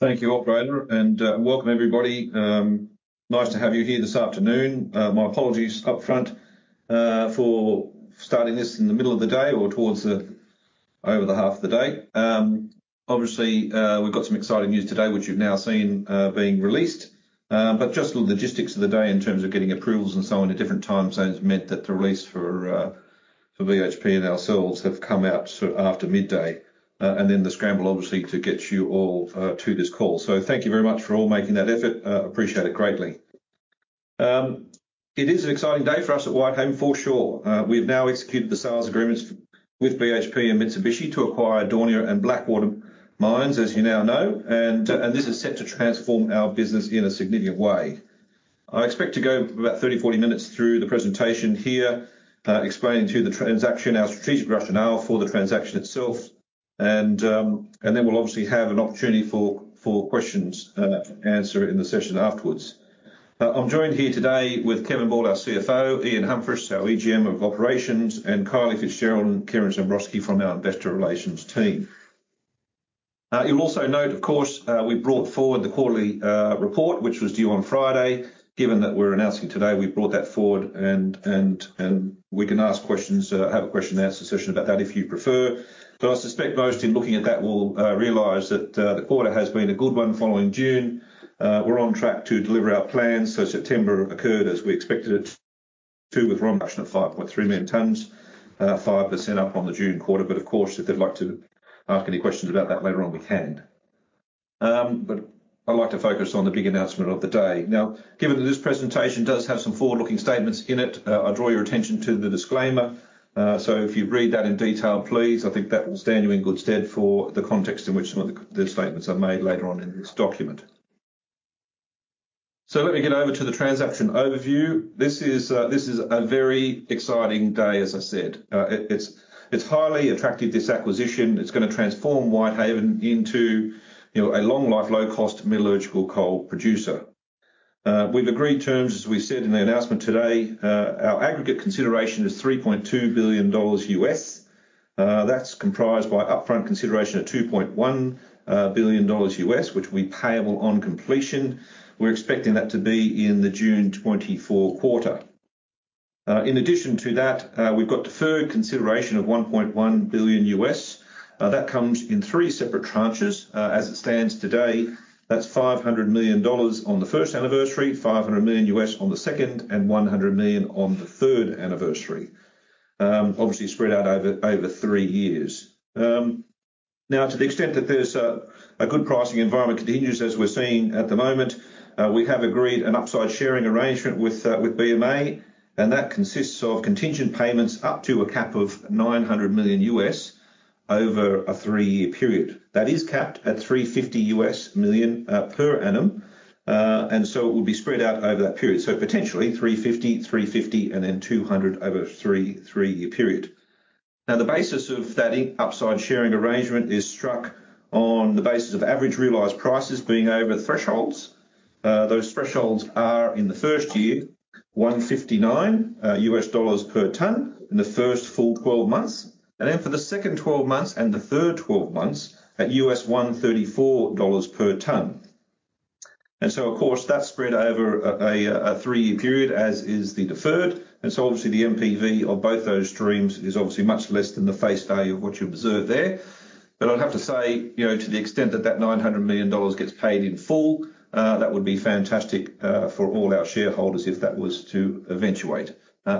Thank you, operator, and welcome everybody. Nice to have you here this afternoon. My apologies up front for starting this in the middle of the day or towards the over the half of the day. Obviously, we've got some exciting news today, which you've now seen being released. But just the logistics of the day in terms of getting approvals and so on in different time zones meant that the release for for BHP and ourselves have come out so after midday. And then the scramble, obviously, to get you all to this call. So thank you very much for all making that effort. Appreciate it greatly. It is an exciting day for us at Whitehaven, for sure. We've now executed the sales agreements with BHP and Mitsubishi to acquire Daunia and Blackwater mines, as you now know, and this is set to transform our business in a significant way. I expect to go about 30, 40 minutes through the presentation here, explaining to the transaction, our strategic rationale for the transaction itself, and then we'll obviously have an opportunity for questions, answer in the session afterwards. I'm joined here today with Kevin Ball, our CFO, Ian Humphris, our EGM of Operations, and Kylie Fitzgerald and Keryn Zambrowski from our Investor Relations team. You'll also note, of course, we brought forward the quarterly report, which was due on Friday. Given that we're announcing today, we brought that forward and we can ask questions, have a question and answer session about that if you prefer. But I suspect most in looking at that will realize that the quarter has been a good one following June. We're on track to deliver our plans. So September occurred as we expected it to, with production of 5.3 million tonnes, 5% up on the June quarter. But of course, if they'd like to ask any questions about that later on, we can. But I'd like to focus on the big announcement of the day. Now, given that this presentation does have some forward-looking statements in it, I draw your attention to the disclaimer. So if you read that in detail, please, I think that will stand you in good stead for the context in which some of the statements are made later on in this document. So let me get over to the transaction overview. This is a very exciting day, as I said. It's highly attractive, this acquisition. It's gonna transform Whitehaven into, you know, a long-life, low-cost metallurgical coal producer. We've agreed terms, as we've said in the announcement today. Our aggregate consideration is $3.2 billion. That's comprised by upfront consideration of $2.1 billion, which will be payable on completion. We're expecting that to be in the June 2024 quarter. In addition to that, we've got deferred consideration of $1.1 billion. That comes in three separate tranches. As it stands today, that's $500 million on the first anniversary, $500 million on the second, and $100 million on the third anniversary. Obviously spread out over three years. Now, to the extent that there's a good pricing environment continues as we're seeing at the moment, we have agreed an upside sharing arrangement with BMA, and that consists of contingent payments up to a cap of $900 million over a three-year period. That is capped at $350 million per annum. And so it will be spread out over that period. So potentially, $350 million, $350 million, and then $200 million over a three-year period. Now, the basis of that incentive upside sharing arrangement is struck on the basis of average realized prices being over thresholds. Those thresholds are in the first year, $159 per tonne in the first full 12 months, and then for the second 12 months and the third 12 months at $134 per tonne. And so, of course, that's spread over a 3-year period, as is the deferred, and so obviously, the NPV of both those streams is obviously much less than the face value of what you observe there. But I'd have to say, you know, to the extent that that $900 million gets paid in full, that would be fantastic for all our shareholders, if that was to eventuate.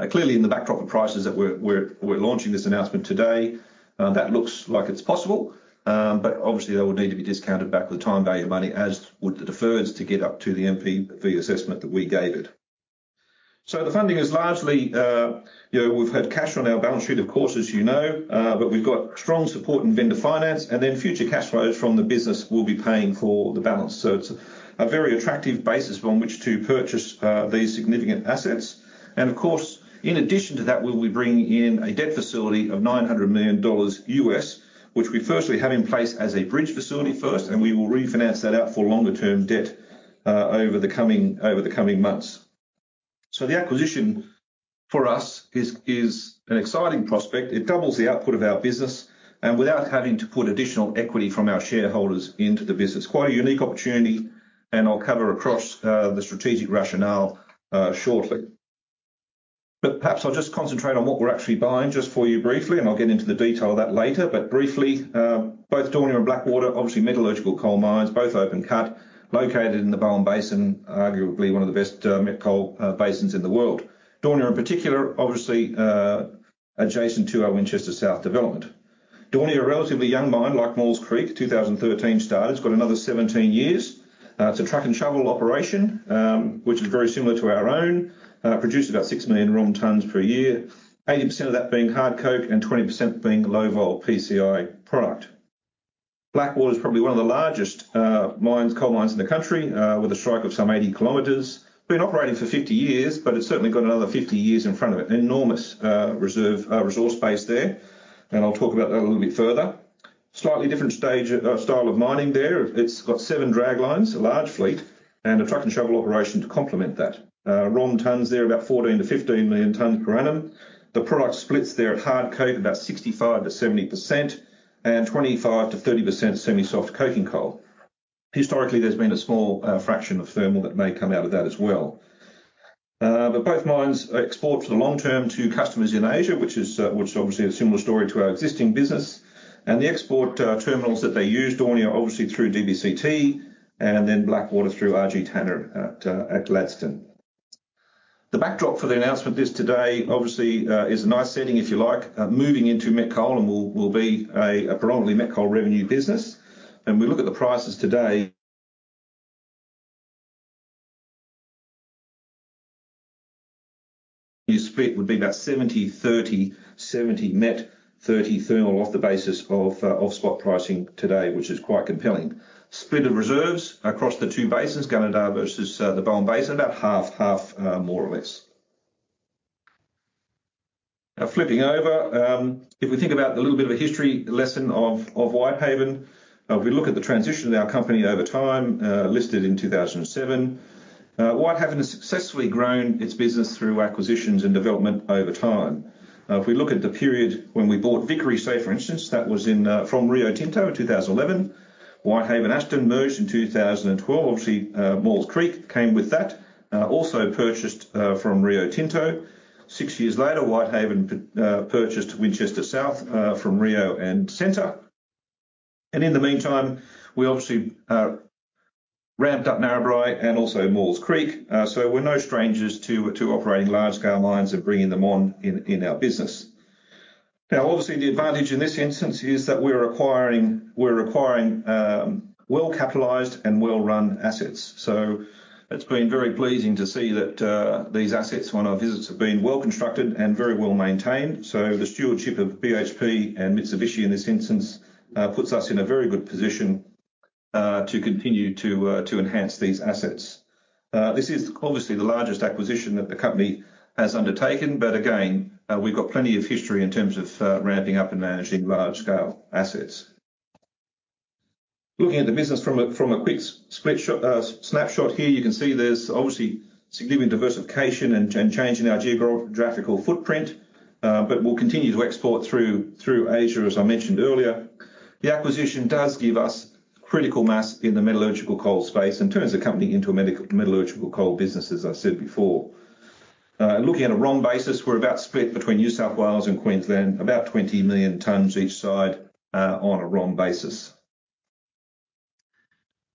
Clearly in the backdrop of prices that we're launching this announcement today, that looks like it's possible, but obviously, they will need to be discounted back with the time value of money, as would the deferreds, to get up to the NPV assessment that we gave it. So the funding is largely, you know, we've had cash on our balance sheet, of course, as you know, but we've got strong support in vendor finance, and then future cash flows from the business will be paying for the balance. So it's a very attractive basis on which to purchase, these significant assets. Of course, in addition to that, we will be bringing in a debt facility of $900 million, which we firstly have in place as a bridge facility first, and we will refinance that out for longer-term debt over the coming, over the coming months. So the acquisition for us is an exciting prospect. It doubles the output of our business and without having to put additional equity from our shareholders into the business. Quite a unique opportunity, and I'll cover across the strategic rationale shortly. But perhaps I'll just concentrate on what we're actually buying just for you briefly, and I'll get into the detail of that later. But briefly, both Daunia and Blackwater, obviously, metallurgical coal mines, both open cut, located in the Bowen Basin, arguably one of the best met coal basins in the world. Daunia, in particular, obviously, adjacent to our Winchester South development. Daunia, a relatively young mine, like Maules Creek, 2013 started. It's got another 17 years. It's a truck and shovel operation, which is very similar to our own. Produces about 6 million tonnes per year, 80% of that being hard coke and 20% being low vol PCI product. Blackwater is probably one of the largest, mines, coal mines in the country, with a strike of some 80 km. Been operating for 50 years, but it's certainly got another 50 years in front of it. Enormous, reserve, resource base there, and I'll talk about that a little bit further. Slightly different stage, style of mining there. It's got seven draglines, a large fleet, and a truck and shovel operation to complement that. Raw tonnes there, about 14 million tonnes-15 million tonnes per annum. The product splits there at hard coking coal, about 65%-70%, and 25%-30% semi-soft coking coal. Historically, there's been a small fraction of thermal that may come out of that as well. But both mines export for the long term to customers in Asia, which is obviously a similar story to our existing business. And the export terminals that they use, Daunia, are obviously through DBCT and then Blackwater through RG Tanna at Gladstone. The backdrop for the announcement is today, obviously, a nice setting, if you like. Moving into met coal, and we'll be a predominantly met coal revenue business. We look at the prices today, your split would be about 70/30, 70 met, 30 thermal off the basis of spot pricing today, which is quite compelling. Split of reserves across the two basins, Gunnedah versus the Bowen Basin, about 50/50, more or less. Now, flipping over, if we think about the little bit of a history lesson of Whitehaven, if we look at the transition of our company over time, listed in 2007. Whitehaven has successfully grown its business through acquisitions and development over time. If we look at the period when we bought Vickery, say, for instance, that was in from Rio Tinto in 2011. Whitehaven, Aston merged in 2012. Obviously, Maules Creek came with that. Also purchased from Rio Tinto. Six years later, Whitehaven purchased Winchester South from Rio Tinto. In the meantime, we obviously ramped up Narrabri and also Maules Creek. So we're no strangers to operating large-scale mines and bringing them on in our business. Now, obviously, the advantage in this instance is that we're acquiring well-capitalized and well-run assets. So it's been very pleasing to see that these assets on our visits have been well-constructed and very well-maintained. So the stewardship of BHP and Mitsubishi, in this instance, puts us in a very good position to continue to enhance these assets. This is obviously the largest acquisition that the company has undertaken, but again, we've got plenty of history in terms of ramping up and managing large-scale assets. Looking at the business from a quick snapshot here, you can see there's obviously significant diversification and change in our geographical footprint, but we'll continue to export through Asia, as I mentioned earlier. The acquisition does give us critical mass in the metallurgical coal space and turns the company into a metallurgical coal business, as I said before. Looking at a ROM basis, we're about split between New South Wales and Queensland, about 20 million tonnes each side, on a ROM basis.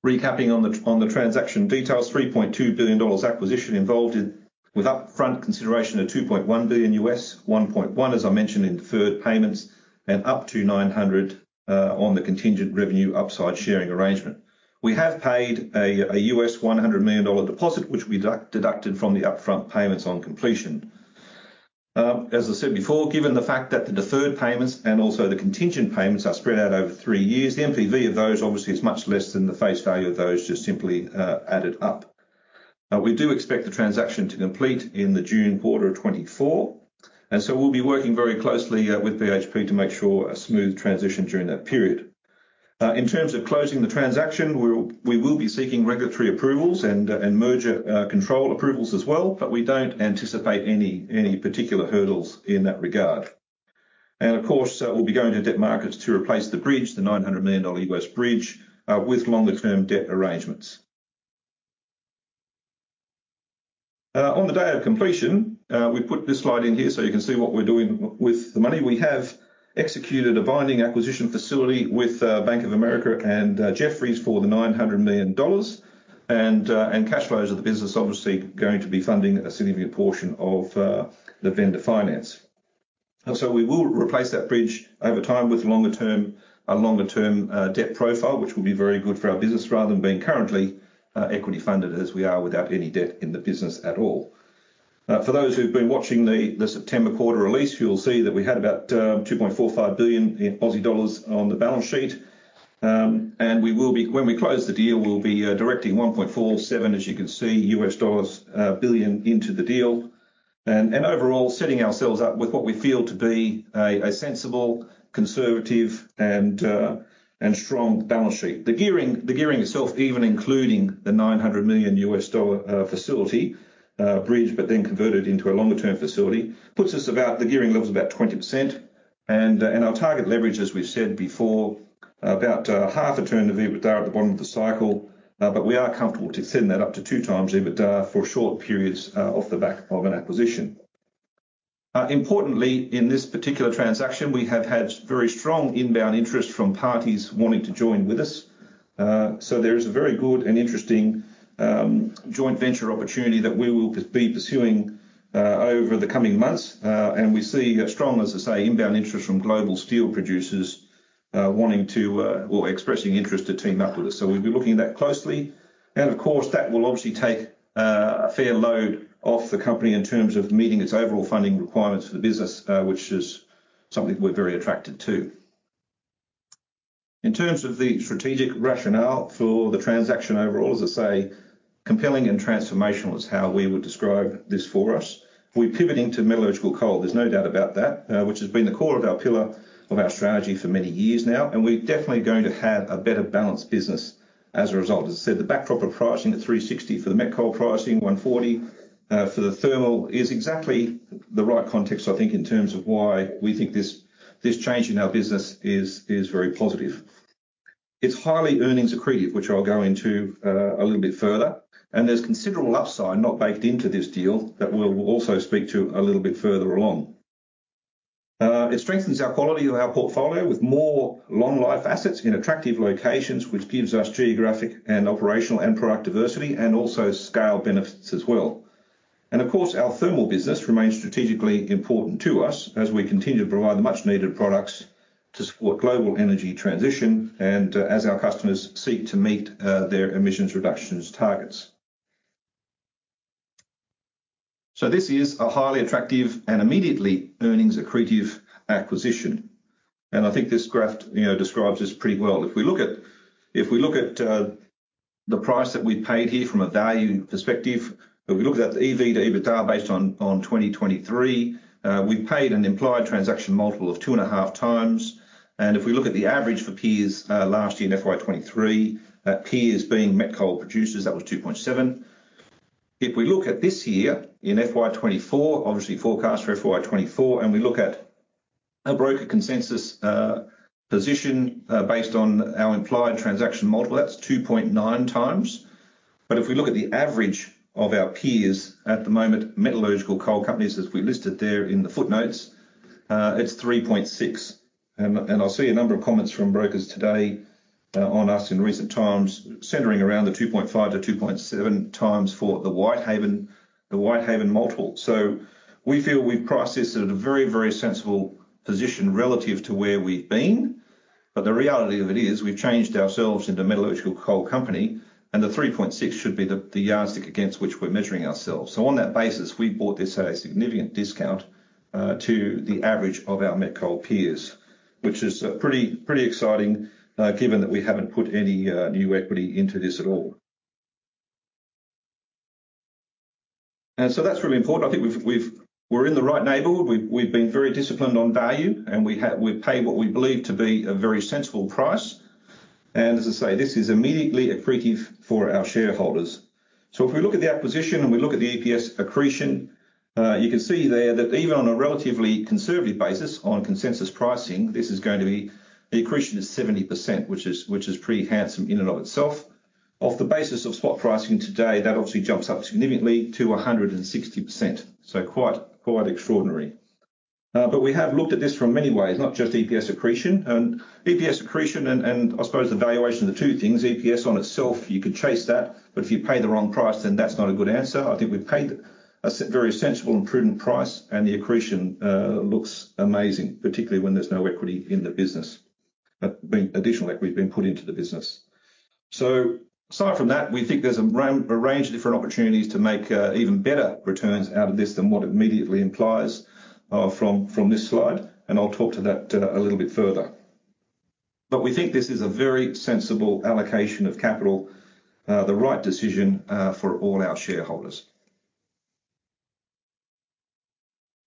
Recapping on the transaction details, $3.2 billion acquisition involved in with upfront consideration of $2.1 billion, $1.1 billion, as I mentioned, in deferred payments, and up to $900 million on the contingent revenue upside sharing arrangement. We have paid a $100 million deposit, which we deducted from the upfront payments on completion. As I said before, given the fact that the deferred payments and also the contingent payments are spread out over three years, the NPV of those obviously is much less than the face value of those just simply added up. We do expect the transaction to complete in the June quarter of 2024, and so we'll be working very closely with BHP to make sure a smooth transition during that period. In terms of closing the transaction, we will be seeking regulatory approvals and merger control approvals as well, but we don't anticipate any particular hurdles in that regard. Of course, we'll be going to debt markets to replace the bridge, the $900 million US bridge, with longer-term debt arrangements. On the day of completion, we put this slide in here so you can see what we're doing with the money. We have executed a binding acquisition facility with Bank of America and Jefferies for the $900 million. Cash flows of the business obviously going to be funding a significant portion of the vendor finance. So we will replace that bridge over time with longer term, a longer-term debt profile, which will be very good for our business, rather than being currently equity-funded as we are without any debt in the business at all. For those who've been watching the September quarter release, you'll see that we had about 2.45 billion Aussie dollars on the balance sheet. When we close the deal, we'll be directing $1.47 billion, as you can see, into the deal. And overall, setting ourselves up with what we feel to be a sensible, conservative, and strong balance sheet. The gearing, the gearing itself, even including the $900 million bridge facility, but then converted into a longer-term facility, puts us about the gearing levels about 20%. Our target leverage, as we've said before, about 0.5x EBITDA at the bottom of the cycle, but we are comfortable to send that up to 2x EBITDA for short periods, off the back of an acquisition. Importantly, in this particular transaction, we have had very strong inbound interest from parties wanting to join with us. There is a very good and interesting joint venture opportunity that we will be pursuing over the coming months. We see strong, as I say, inbound interest from global steel producers wanting to or expressing interest to team up with us. We'll be looking at that closely. Of course, that will obviously take a fair load off the company in terms of meeting its overall funding requirements for the business, which is something we're very attracted to. In terms of the strategic rationale for the transaction overall, as I say, compelling and transformational is how we would describe this for us. We're pivoting to metallurgical coal, there's no doubt about that, which has been the core of our pillar of our strategy for many years now, and we're definitely going to have a better balanced business as a result. As I said, the backdrop of pricing at $360 for the met coal pricing, $140 for the thermal, is exactly the right context, I think, in terms of why we think this change in our business is very positive. It's highly earnings accretive, which I'll go into a little bit further, and there's considerable upside not baked into this deal that we'll, we'll also speak to a little bit further along. It strengthens our quality of our portfolio with more long-life assets in attractive locations, which gives us geographic and operational and product diversity, and also scale benefits as well. And of course, our thermal business remains strategically important to us as we continue to provide the much-needed products to support global energy transition and, as our customers seek to meet their emissions reductions targets. So this is a highly attractive and immediately earnings accretive acquisition, and I think this graph, you know, describes this pretty well. If we look at the price that we paid here from a value perspective, if we look at the EV/EBITDA based on 2023, we paid an implied transaction multiple of 2.5x. And if we look at the average for peers last year in FY 2023, peers being met coal producers, that was 2.7x. If we look at this year, in FY 2024, obviously forecast for FY 2024, and we look at a broker consensus position based on our implied transaction model, that's 2.9x. But if we look at the average of our peers at the moment, metallurgical coal companies, as we listed there in the footnotes, it's 3.6x. I see a number of comments from brokers today, on us in recent times, centering around the 2.5x-2.7x for the Whitehaven, the Whitehaven multiple. So we feel we've priced this at a very, very sensible position relative to where we've been. But the reality of it is, we've changed ourselves into a metallurgical coal company, and the 3.6x should be the yardstick against which we're measuring ourselves. So on that basis, we bought this at a significant discount to the average of our met coal peers, which is pretty, pretty exciting, given that we haven't put any new equity into this at all. And so that's really important. I think we're in the right neighborhood. We've been very disciplined on value, and we've paid what we believe to be a very sensible price. And as I say, this is immediately accretive for our shareholders. So if we look at the acquisition and we look at the EPS accretion, you can see there that even on a relatively conservative basis, on consensus pricing, this is going to be the accretion is 70%, which is pretty handsome in and of itself. Off the basis of spot pricing today, that obviously jumps up significantly to 160%. So quite extraordinary. But we have looked at this from many ways, not just EPS accretion. And EPS accretion and I suppose the valuation are two things. EPS on itself, you could chase that, but if you pay the wrong price, then that's not a good answer. I think we've paid a very sensible and prudent price, and the accretion looks amazing, particularly when there's no equity in the business being additional equity being put into the business. So aside from that, we think there's a range of different opportunities to make even better returns out of this than what it immediately implies from this slide, and I'll talk to that a little bit further. But we think this is a very sensible allocation of capital, the right decision for all our shareholders.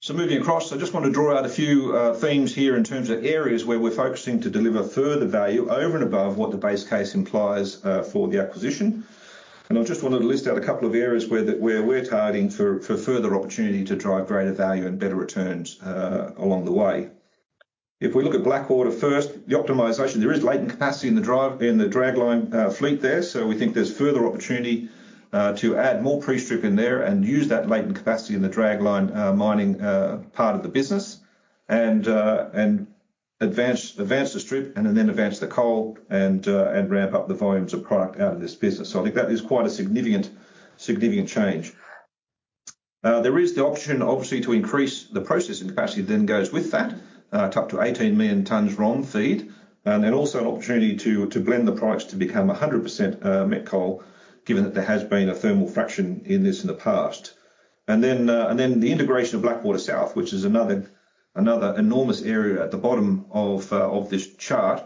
So moving across, I just want to draw out a few themes here in terms of areas where we're focusing to deliver further value over and above what the base case implies for the acquisition. I just wanted to list out a couple of areas where we're targeting for further opportunity to drive greater value and better returns along the way. If we look at Blackwater first, the optimization, there is latent capacity in the dragline fleet there, so we think there's further opportunity to add more pre-strip in there and use that latent capacity in the dragline mining part of the business. And advance the strip and then advance the coal and ramp up the volumes of product out of this business. So I think that is quite a significant change. There is the option, obviously, to increase the processing capacity that then goes with that, up to 18 million tonnes raw in feed, and then also an opportunity to blend the products to become 100% met coal, given that there has been a thermal fraction in this in the past. Then the integration of Blackwater South, which is another enormous area at the bottom of this chart,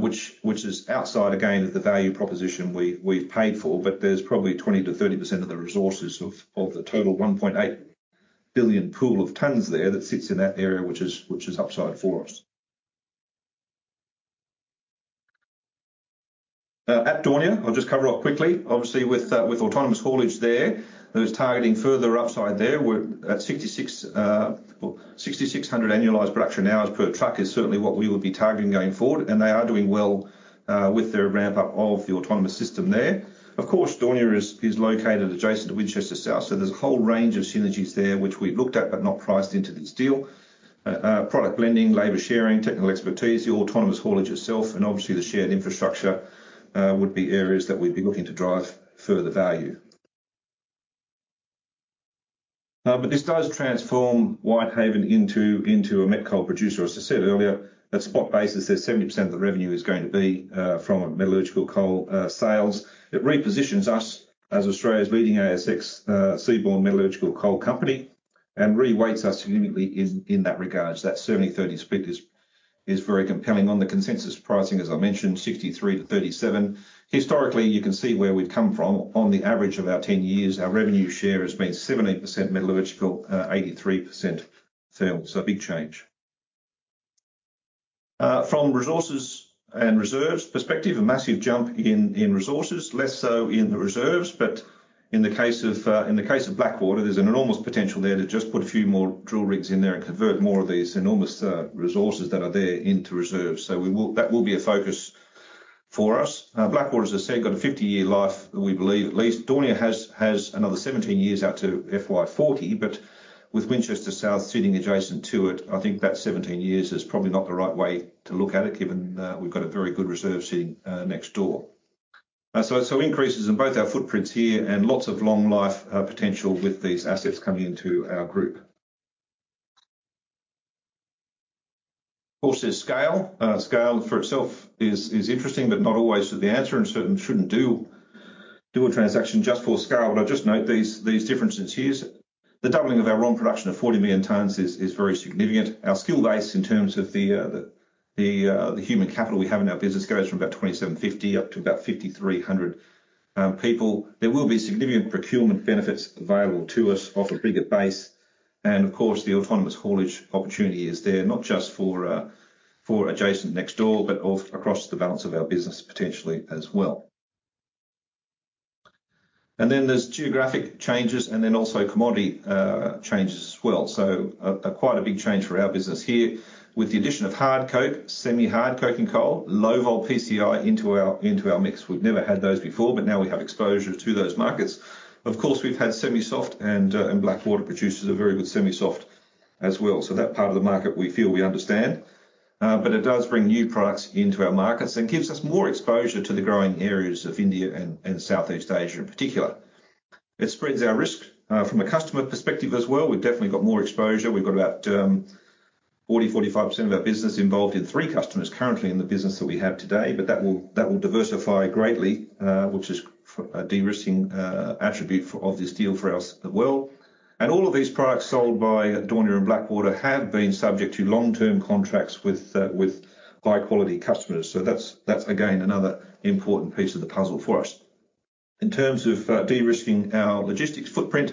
which is outside again of the value proposition we've paid for, but there's probably 20%-30% of the resources of the total 1.8 billion pool of tonnes there that sits in that area, which is upside for us. At Daunia, I'll just cover off quickly. Obviously, with autonomous haulage there, there is targeting further upside there. We're at 6,600, well, 6,600 annualized production hours per truck is certainly what we would be targeting going forward, and they are doing well with their ramp up of the autonomous system there. Of course, Daunia is located adjacent to Winchester South, so there's a whole range of synergies there, which we've looked at, but not priced into this deal. Product blending, labor sharing, technical expertise, the autonomous haulage itself, and obviously the shared infrastructure would be areas that we'd be looking to drive further value. But this does transform Whitehaven into a met coal producer. As I said earlier, at spot basis, there's 70% of the revenue is going to be from metallurgical coal sales. It repositions us as Australia's leading ASX seaborne metallurgical coal company and reweights us significantly in that regard. So that 70-30 split is very compelling on the consensus pricing, as I mentioned, 63-37. Historically, you can see where we've come from. On the average of our 10 years, our revenue share has been 70% metallurgical, 83% thermal. So a big change. From resources and reserves perspective, a massive jump in resources, less so in the reserves, but in the case of Blackwater, there's an enormous potential there to just put a few more drill rigs in there and convert more of these enormous resources that are there into reserves. So we will, that will be a focus for us. Blackwater, as I said, got a 50-year life, we believe at least. Daunia has another 17 years out to FY 2040, but with Winchester South sitting adjacent to it, I think that 17 years is probably not the right way to look at it, given that we've got a very good reserve sitting next door. So increases in both our footprints here and lots of long life potential with these assets coming into our group. Of course, there's scale. Scale for itself is interesting, but not always the answer, and we certainly shouldn't do a transaction just for scale. But I just note these differences here. The doubling of our raw production of 40 million tonnes is very significant. Our skill base, in terms of the human capital we have in our business, goes from about 2,750 up to about 5,300 people. There will be significant procurement benefits available to us off a bigger base, and of course, the autonomous haulage opportunity is there, not just for adjacent next door, but also across the balance of our business, potentially as well. And then there's geographic changes and then also commodity changes as well. So quite a big change for our business here. With the addition of hard coking coal, semi-soft coking coal, and low vol PCI into our mix. We've never had those before, but now we have exposure to those markets. Of course, we've had semi-soft and Blackwater produces a very good semi-soft as well. So that part of the market we feel we understand, but it does bring new products into our markets and gives us more exposure to the growing areas of India and Southeast Asia in particular. It spreads our risk from a customer perspective as well. We've definitely got more exposure. We've got about 40%-45% of our business involved in three customers currently in the business that we have today, but that will, that will diversify greatly, which is a de-risking attribute for, of this deal for us as well. And all of these products sold by Daunia and Blackwater have been subject to long-term contracts with with high-quality customers. So that's, that's again, another important piece of the puzzle for us. In terms of de-risking our logistics footprint,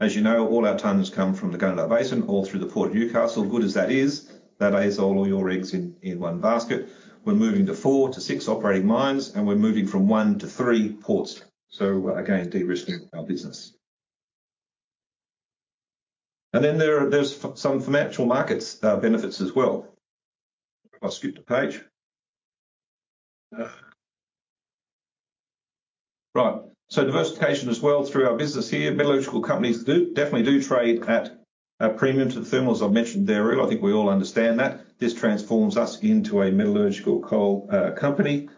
as you know, all our tonnes come from the Gunnedah Basin, all through the Port of Newcastle. Good as that is, that is all your eggs in one basket. We're moving to four to six operating mines, and we're moving from one to three ports. So again, de-risking our business. And then there are, there's some financial markets benefits as well. I'll skip the page. Right. So diversification as well through our business here. Metallurgical companies do, definitely do trade at a premium to the thermals I mentioned there, earlier. I think we all understand that. This transforms us into a metallurgical coal company.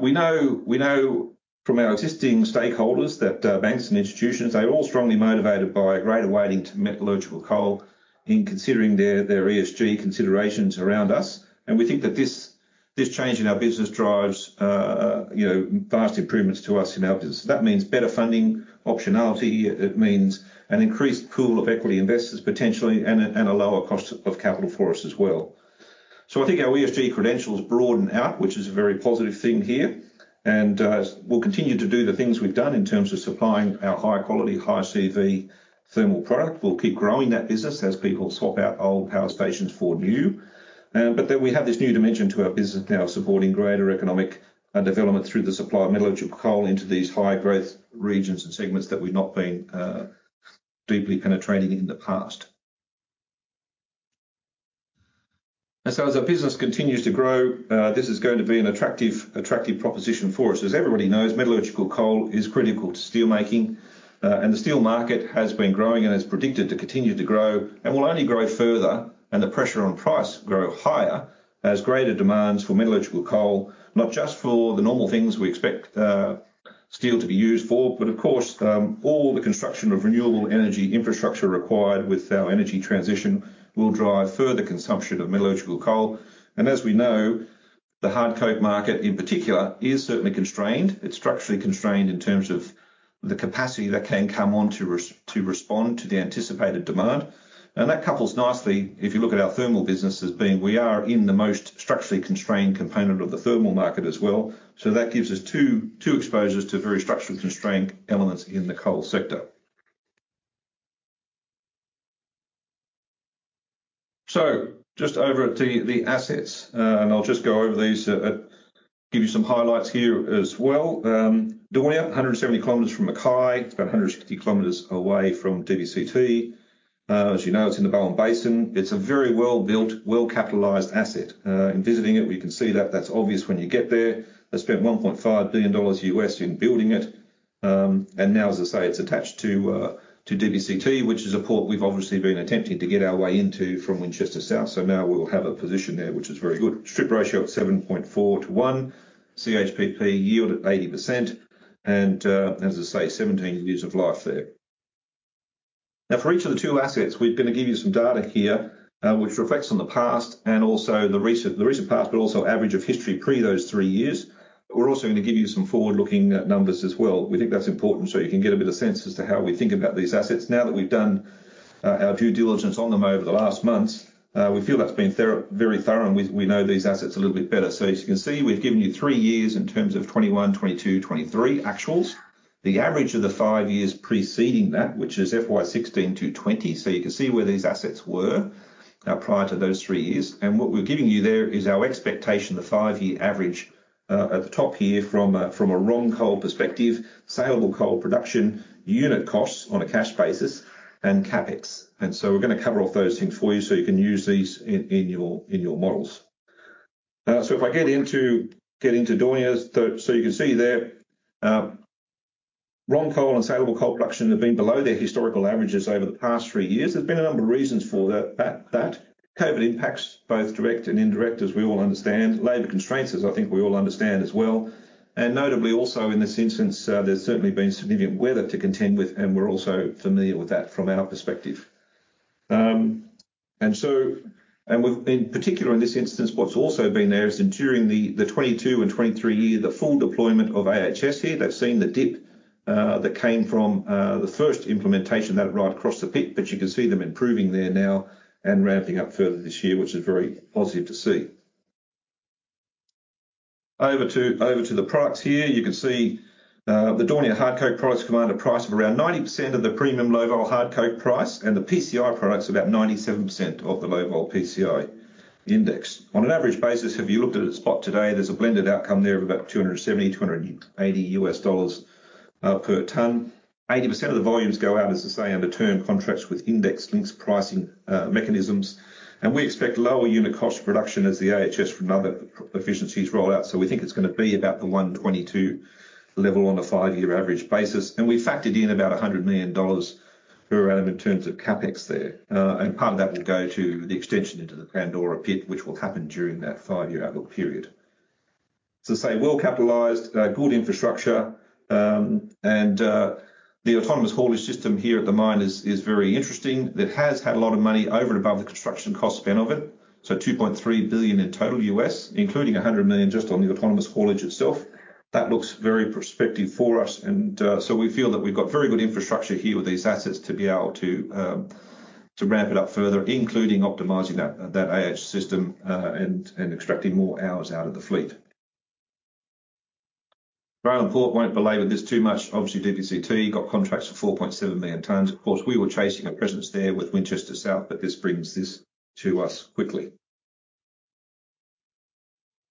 We know, we know from our existing stakeholders that banks and institutions, they're all strongly motivated by a greater weighting to metallurgical coal in considering their, their ESG considerations around us. And we think that this, this change in our business drives, you know, vast improvements to us in our business. That means better funding, optionality, it means an increased pool of equity investors, potentially, and a, and a lower cost of capital for us as well. So I think our ESG credentials broaden out, which is a very positive thing here, and we'll continue to do the things we've done in terms of supplying our high quality, high CV thermal product. We'll keep growing that business as people swap out old power stations for new. But then we have this new dimension to our business now, supporting greater economic development through the supply of metallurgical coal into these high-growth regions and segments that we've not been deeply penetrating in the past. And so as our business continues to grow, this is going to be an attractive, attractive proposition for us. As everybody knows, metallurgical coal is critical to steelmaking, and the steel market has been growing and is predicted to continue to grow and will only grow further, and the pressure on price grow higher as greater demands for metallurgical coal, not just for the normal things we expect, steel to be used for, but of course, all the construction of renewable energy infrastructure required with our energy transition will drive further consumption of metallurgical coal. And as we know, the hard coke market, in particular, is certainly constrained. It's structurally constrained in terms of the capacity that can come on to respond to the anticipated demand. And that couples nicely, if you look at our thermal business as being, we are in the most structurally constrained component of the thermal market as well. So that gives us two, two exposures to very structurally constrained elements in the coal sector. So just over at the assets, and I'll just go over these, give you some highlights here as well. Daunia, 170 km from Mackay, it's about 160 km away from DBCT. As you know, it's in the Bowen Basin. It's a very well-built, well-capitalized asset. In visiting it, we can see that. That's obvious when you get there. They spent $1.5 billion in building it, and now, as I say, it's attached to DBCT, which is a port we've obviously been attempting to get our way into from Winchester South. So now we'll have a position there, which is very good. Strip ratio of 7.4:1, CHPP yield at 80%, and, as I say, 17 years of life there. Now, for each of the two assets, we're going to give you some data here, which reflects on the past and also the recent, the recent past, but also average of history pre those three years... We're also going to give you some forward-looking numbers as well. We think that's important, so you can get a bit of sense as to how we think about these assets. Now that we've done our due diligence on them over the last months, we feel that's been very thorough, and we, we know these assets a little bit better. So as you can see, we've given you three years in terms of 2021, 2022, 2023 actuals. The average of the five years preceding that, which is FY 2016 to 2020, so you can see where these assets were prior to those three years. What we're giving you there is our expectation, the five-year average at the top here from a raw coal perspective, saleable coal production, unit costs on a cash basis, and CapEx. So we're gonna cover off those things for you so you can use these in your models. So if I get into doing this, so you can see there, raw coal and saleable coal production have been below their historical averages over the past three years. There's been a number of reasons for that. COVID impacts, both direct and indirect, as we all understand. Labor constraints, as I think we all understand as well, and notably also in this instance, there's certainly been significant weather to contend with, and we're also familiar with that from our perspective. And we've, in particular, in this instance, what's also been there is during the 2022 and 2023 year, the full deployment of AHS here, they've seen the dip that came from the first implementation of that right across the pit, but you can see them improving there now and ramping up further this year, which is very positive to see. Over to the products here. You can see the Daunia hard coking coal products command a price of around 90% of the premium low vol hard coking coal price, and the PCI product's about 97% of the low vol PCI index. On an average basis, if you looked at a spot today, there's a blended outcome there of about $270-$280 per tonne. 80% of the volumes go out, as I say, under term contracts with index links, pricing, mechanisms, and we expect lower unit cost production as the AHS from other efficiencies roll out. So we think it's gonna be about the $122 level on a five-year average basis, and we factored in about $100 million per annum in terms of CapEx there. And part of that will go to the extension into the Pandora Pit, which will happen during that five-year outlook period. So say, well capitalized, good infrastructure, and the autonomous haulage system here at the mine is very interesting. It has had a lot of money over and above the construction cost spend of it, so $2.3 billion in total U.S., including $100 million just on the autonomous haulage itself. That looks very prospective for us, and so we feel that we've got very good infrastructure here with these assets to be able to to ramp it up further, including optimizing that AH system, and extracting more hours out of the fleet. Rail and port, won't belabor this too much. Obviously, DBCT got contracts for 4.7 million tonnes. Of course, we were chasing a presence there with Winchester South, but this brings this to us quickly.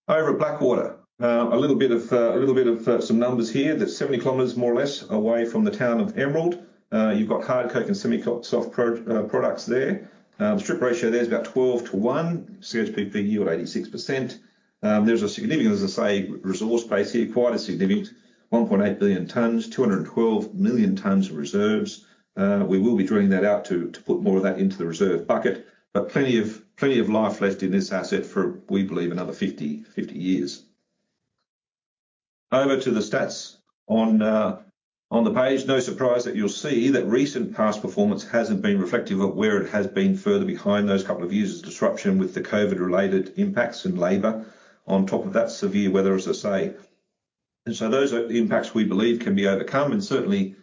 Over at Blackwater, a little bit of some numbers here. That's 70 kilometers, more or less, away from the town of Emerald. You've got hard coke and semi-coke soft pro products there. Strip ratio there is about 12:1, CHPP yield 86%. There's a significant, as I say, resource base here, quite a significant 1.8 billion tonnes, 212 million tonnes of reserves. We will be drawing that out to put more of that into the reserve bucket, but plenty of life left in this asset for, we believe, another 50, 50 years. Over to the stats. On the page, no surprise that you'll see that recent past performance hasn't been reflective of where it has been further behind those couple of years' disruption with the COVID-related impacts and labor, on top of that, severe weather, as I say. Those are the impacts we believe can be overcome, and certainly,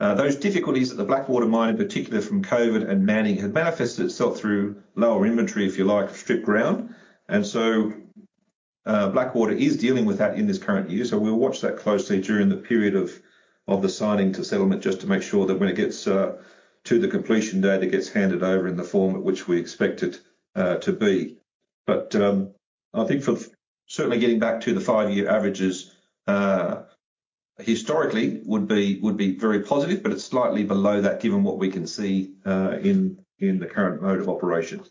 those difficulties at the Blackwater mine, in particular from COVID and manning, have manifested itself through lower inventory, if you like, strip ground. Blackwater is dealing with that in this current year, so we'll watch that closely during the period of the signing to settlement just to make sure that when it gets to the completion date, it gets handed over in the form at which we expect it to be. But, I think for certainly getting back to the five-year averages, historically, would be, would be very positive, but it's slightly below that, given what we can see in the current mode of operations.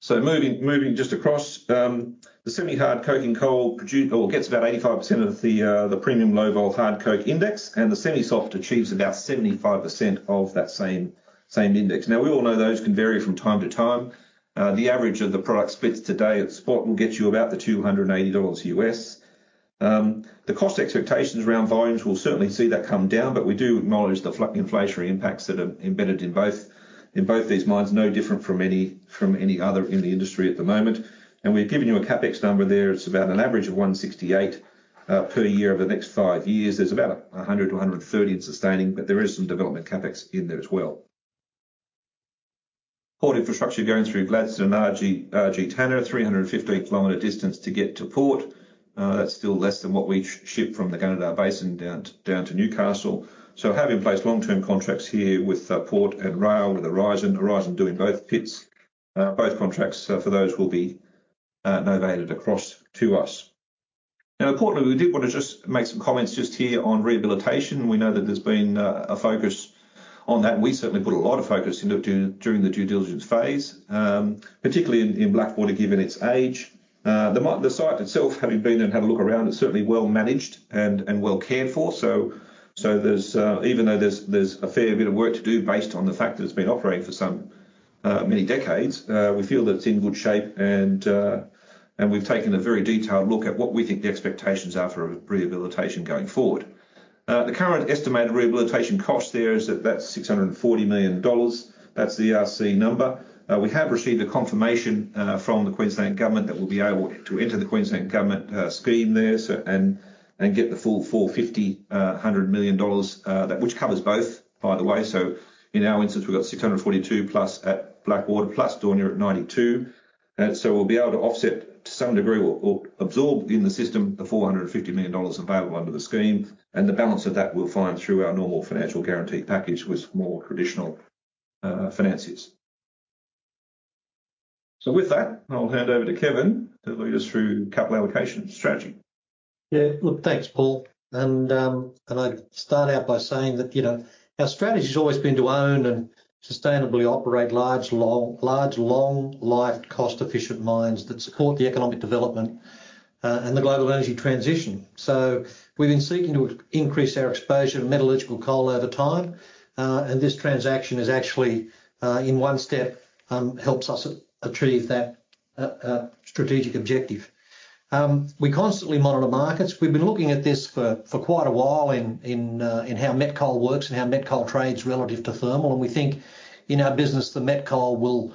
So moving just across, the semi-hard coking coal gets about 85% of the premium low-vol hard coking index, and the semi-soft achieves about 75% of that same index. Now, we all know those can vary from time to time. The average of the product splits today at spot will get you about $280. The cost expectations around volumes, we'll certainly see that come down, but we do acknowledge the inflationary impacts that are embedded in both these mines, no different from any other in the industry at the moment. We've given you a CapEx number there. It's about an average of $168 per year over the next five years. There's about 100-130 in sustaining, but there is some development CapEx in there as well. Port infrastructure going through Gladstone, RG Tanna, 315 km distance to get to port. That's still less than what we ship from the Gunnedah Basin down to Newcastle. So have in place long-term contracts here with port and rail, with Aurizon. Aurizon doing both pits. Both contracts for those will be novated across to us. Now, importantly, we did want to just make some comments just here on rehabilitation. We know that there's been a focus on that. We certainly put a lot of focus into during the due diligence phase, particularly in Blackwater, given its age. The site itself, having been and had a look around, is certainly well managed and well cared for, so there's even though there's a fair bit of work to do based on the fact that it's been operating for some many decades, we feel that it's in good shape, and we've taken a very detailed look at what we think the expectations are for rehabilitation going forward. The current estimated rehabilitation cost there is $640 million. That's the RC number. We have received a confirmation from the Queensland Government that we'll be able to enter the Queensland Government scheme there, so and get the full $450 million, which covers both, by the way. In our instance, we've got $642+ million at Blackwater, plus Daunia at $92 million. We'll be able to offset to some degree or, or absorb in the system the $450 million available under the scheme, and the balance of that we'll find through our normal financial guarantee package with more traditional finances. With that, I'll hand over to Kevin to lead us through capital allocation strategy. Yeah. Look, thanks, Paul. And, I'd start out by saying that, you know, our strategy has always been to own and sustainably operate large, long-large, long-lived, cost-efficient mines that support the economic development, and the global energy transition. So we've been seeking to increase our exposure to metallurgical coal over time, and this transaction is actually, in one step, helps us achieve that, strategic objective. We constantly monitor markets. We've been looking at this for quite a while in how met coal works and how met coal trades relative to thermal, and we think in our business, the met coal will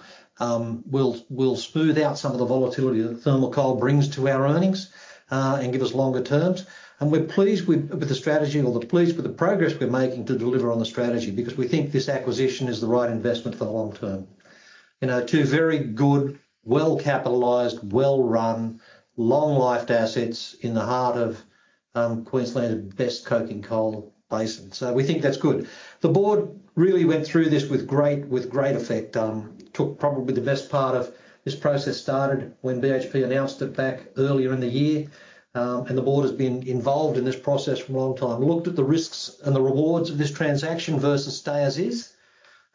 smooth out some of the volatility that thermal coal brings to our earnings, and give us longer terms. We're pleased with the strategy or we're pleased with the progress we're making to deliver on the strategy, because we think this acquisition is the right investment for the long term. You know, two very good, well-capitalized, well-run, long-lived assets in the heart of Queensland's best coking coal basin. We think that's good. The board really went through this with great effect. Took probably the best part of this process, started when BHP announced it back earlier in the year. And the board has been involved in this process for a long time. We looked at the risks and the rewards of this transaction versus stay as is,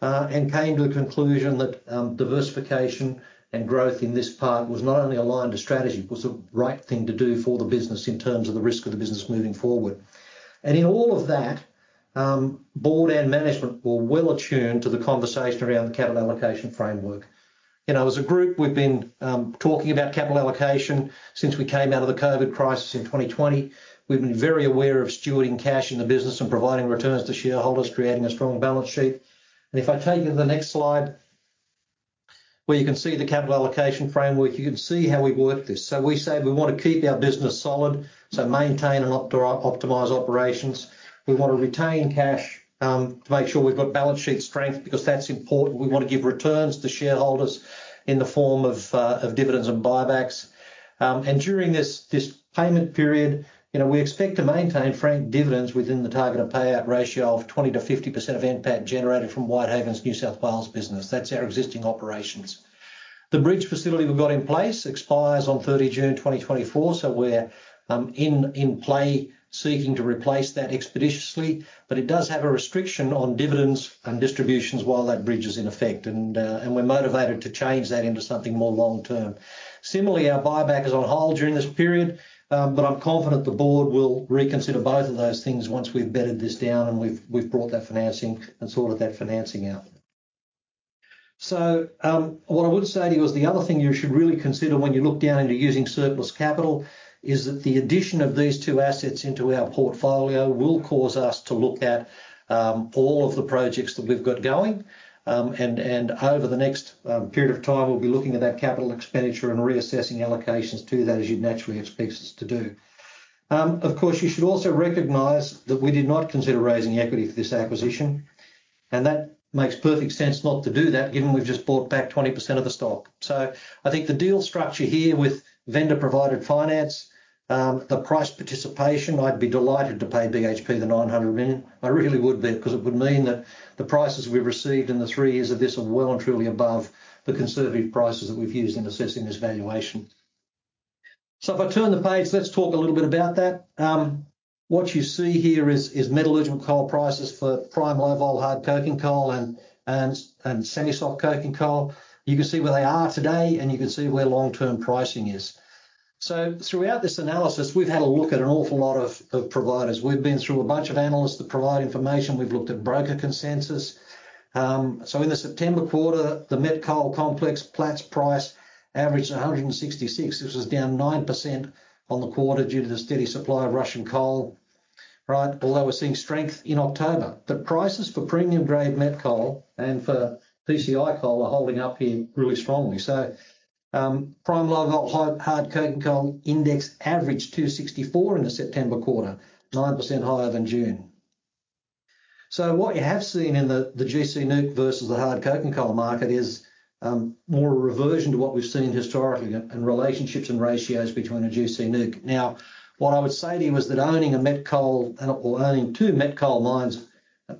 and came to a conclusion that diversification and growth in this part was not only aligned to strategy, it was the right thing to do for the business in terms of the risk of the business moving forward. In all of that, board and management were well attuned to the conversation around the capital allocation framework. You know, as a group, we've been talking about capital allocation since we came out of the COVID crisis in 2020. We've been very aware of stewarding cash in the business and providing returns to shareholders, creating a strong balance sheet. If I take you to the next slide, where you can see the capital allocation framework, you can see how we've worked this. So we said we want to keep our business solid, so maintain and optimize operations. We want to retain cash to make sure we've got balance sheet strength, because that's important. We want to give returns to shareholders in the form of dividends and buybacks. And during this payment period, you know, we expect to maintain franking dividends within the target payout ratio of 20%-50% of NPAT generated from Whitehaven's New South Wales business. That's our existing operations. The bridge facility we've got in place expires on 30 June 2024, so we're in play seeking to replace that expeditiously, but it does have a restriction on dividends and distributions while that bridge is in effect. And we're motivated to change that into something more long term. Similarly, our buyback is on hold during this period, but I'm confident the board will reconsider both of those things once we've bedded this down and we've brought that financing and sorted that financing out. So, what I would say to you is the other thing you should really consider when you look down into using surplus capital is that the addition of these two assets into our portfolio will cause us to look at all of the projects that we've got going. And over the next period of time, we'll be looking at that capital expenditure and reassessing allocations to that, as you'd naturally expect us to do. Of course, you should also recognize that we did not consider raising equity for this acquisition, and that makes perfect sense not to do that, given we've just bought back 20% of the stock. So I think the deal structure here with vendor-provided finance, the price participation, I'd be delighted to pay BHP the $900 million. I really would be, because it would mean that the prices we've received in the three years of this are well and truly above the conservative prices that we've used in assessing this valuation. So if I turn the page, let's talk a little bit about that. What you see here is metallurgical coal prices for prime, low-vol, hard coking coal and semi-soft coking coal. You can see where they are today, and you can see where long-term pricing is. So throughout this analysis, we've had a look at an awful lot of providers. We've been through a bunch of analysts that provide information. We've looked at broker consensus. So in the September quarter, the met coal complex Platts price averaged $166, which was down 9% on the quarter due to the steady supply of Russian coal, right? Although we're seeing strength in October. But prices for premium-grade met coal and for PCI coal are holding up here really strongly. So prime, low-vol, high-hard coking coal index averaged $264 in the September quarter, 9% higher than June. So what you have seen in the gC NEWC versus the hard coking coal market is more a reversion to what we've seen historically and relationships and ratios between a gC NEWC. Now, what I would say to you is that owning a met coal, or owning two met coal mines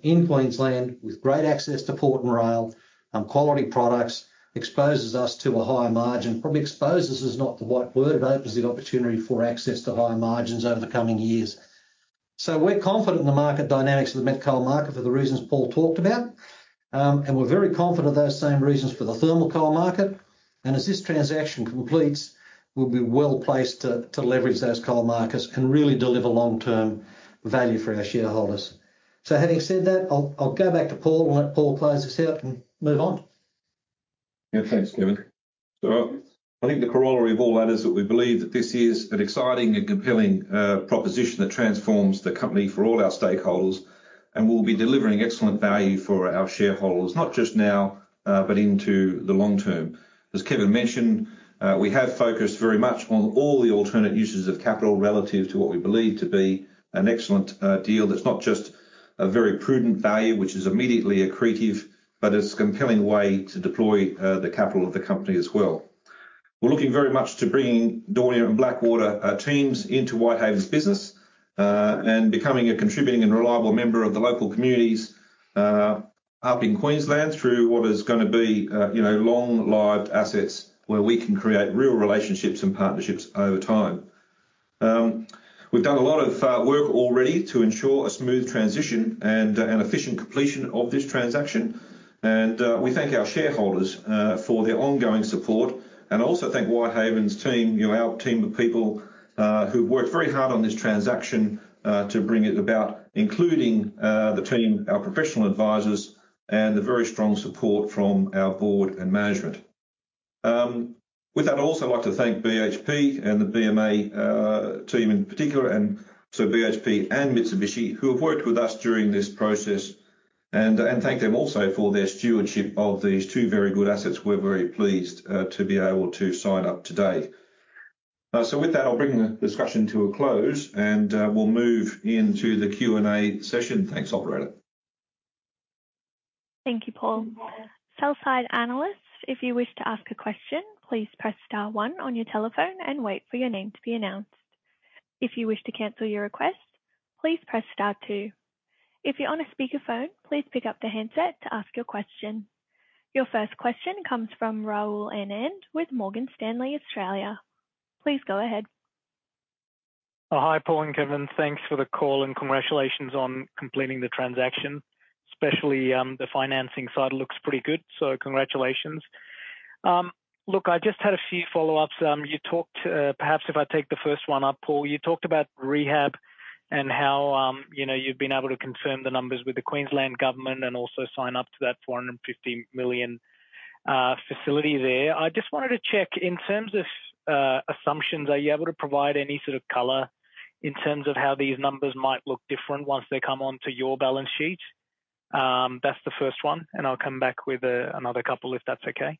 in Queensland with great access to port and rail, quality products, exposes us to a higher margin. Probably exposes is not the right word, but opens the opportunity for access to higher margins over the coming years. So we're confident in the market dynamics of the met coal market for the reasons Paul talked about. And we're very confident of those same reasons for the thermal coal market. And as this transaction completes, we'll be well placed to leverage those coal markets and really deliver long-term value for our shareholders. So having said that, I'll go back to Paul, and let Paul close us out and move on? Yeah, thanks, Kevin. So I think the corollary of all that is that we believe that this is an exciting and compelling proposition that transforms the company for all our stakeholders, and we'll be delivering excellent value for our shareholders, not just now, but into the long term. As Kevin mentioned, we have focused very much on all the alternate uses of capital relative to what we believe to be an excellent deal, that's not just a very prudent value, which is immediately accretive, but it's a compelling way to deploy the capital of the company as well. We're looking very much to bringing Daunia and Blackwater teams into Whitehaven's business, and becoming a contributing and reliable member of the local communities up in Queensland through what is gonna be, you know, long-lived assets, where we can create real relationships and partnerships over time. We've done a lot of work already to ensure a smooth transition and an efficient completion of this transaction, and we thank our shareholders for their ongoing support, and also thank Whitehaven's team, you know, our team of people, who've worked very hard on this transaction to bring it about, including the team, our professional advisors, and the very strong support from our board and management. With that, I'd also like to thank BHP and the BMA team in particular, and so BHP and Mitsubishi, who have worked with us during this process, and thank them also for their stewardship of these two very good assets. We're very pleased to be able to sign up today. So with that, I'll bring the discussion to a close, and we'll move into the Q&A session. Thanks, operator. Thank you, Paul. Sell-side analysts, if you wish to ask a question, please press star one on your telephone and wait for your name to be announced. If you wish to cancel your request, please press star two. If you're on a speakerphone, please pick up the handset to ask your question. Your first question comes from Rahul Anand with Morgan Stanley Australia. Please go ahead. Oh, hi, Paul and Kevin. Thanks for the call and congratulations on completing the transaction, especially, the financing side looks pretty good, so congratulations. Look, I just had a few follow-ups. You talked, perhaps if I take the first one up, Paul, you talked about rehab and how, you know, you've been able to confirm the numbers with the Queensland Government and also sign up to that $450 million facility there. I just wanted to check, in terms of assumptions, are you able to provide any sort of color in terms of how these numbers might look different once they come onto your balance sheet? That's the first one, and I'll come back with another couple, if that's okay.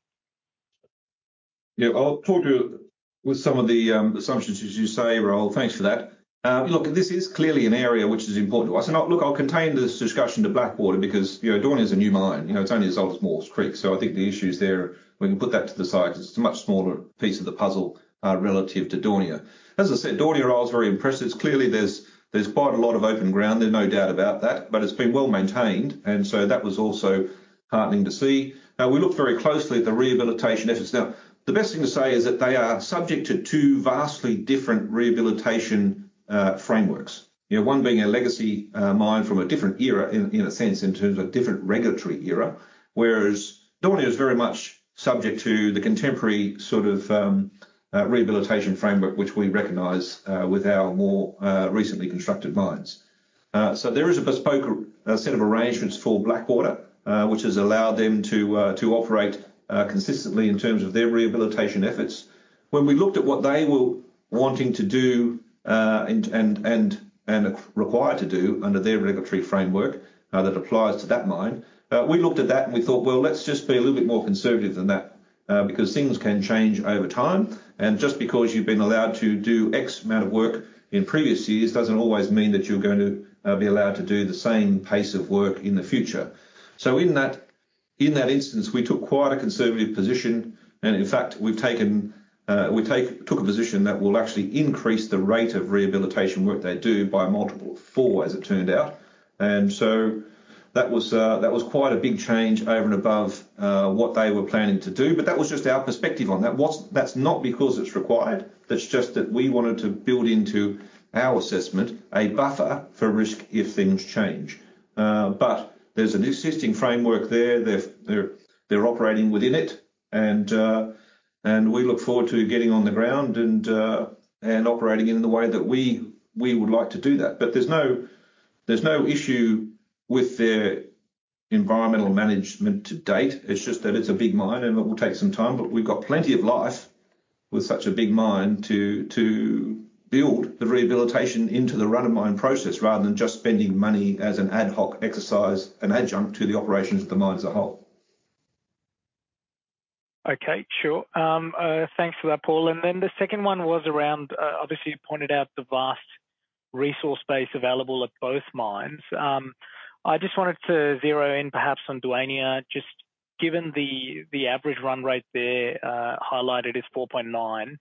Yeah. I'll talk to you with some of the assumptions, as you say, Rahul. Thanks for that. Look, this is clearly an area which is important to us, and I'll contain this discussion to Blackwater because, you know, Daunia is a new mine. You know, it's only as old as Maules Creek, so I think the issues there, we can put that to the side because it's a much smaller piece of the puzzle, relative to Daunia. As I said, Daunia, I was very impressed. It's clearly there's quite a lot of open ground, there's no doubt about that, but it's been well-maintained, and so that was also heartening to see. We looked very closely at the rehabilitation efforts. Now, the best thing to say is that they are subject to two vastly different rehabilitation frameworks. You know, one being a legacy mine from a different era, in a sense, in terms of different regulatory era, whereas Daunia is very much subject to the contemporary sort of rehabilitation framework, which we recognize with our more recently constructed mines. So there is a bespoke set of arrangements for Blackwater, which has allowed them to operate consistently in terms of their rehabilitation efforts. When we looked at what they were wanting to do and required to do under their regulatory framework that applies to that mine, we looked at that and we thought, well, let's just be a little bit more conservative than that, because things can change over time. Just because you've been allowed to do X amount of work in previous years, doesn't always mean that you're going to be allowed to do the same pace of work in the future. So in that instance, we took quite a conservative position, and in fact, we took a position that will actually increase the rate of rehabilitation work they do by a multiple of four, as it turned out. So that was quite a big change over and above what they were planning to do, but that was just our perspective on that. That's not because it's required, that's just that we wanted to build into our assessment a buffer for risk if things change. But there's an existing framework there, they're operating within it, and we look forward to getting on the ground and operating in the way that we would like to do that. But there's no issue with their environmental management to date. It's just that it's a big mine and it will take some time, but we've got plenty of life with such a big mine to build the rehabilitation into the run-of-mine process, rather than just spending money as an ad hoc exercise, an adjunct to the operations of the mine as a whole. Okay, sure. Thanks for that, Paul. And then the second one was around, obviously, you pointed out the vast resource base available at both mines. I just wanted to zero in perhaps on Daunia, just given the average run rate there, highlighted is 4.9 million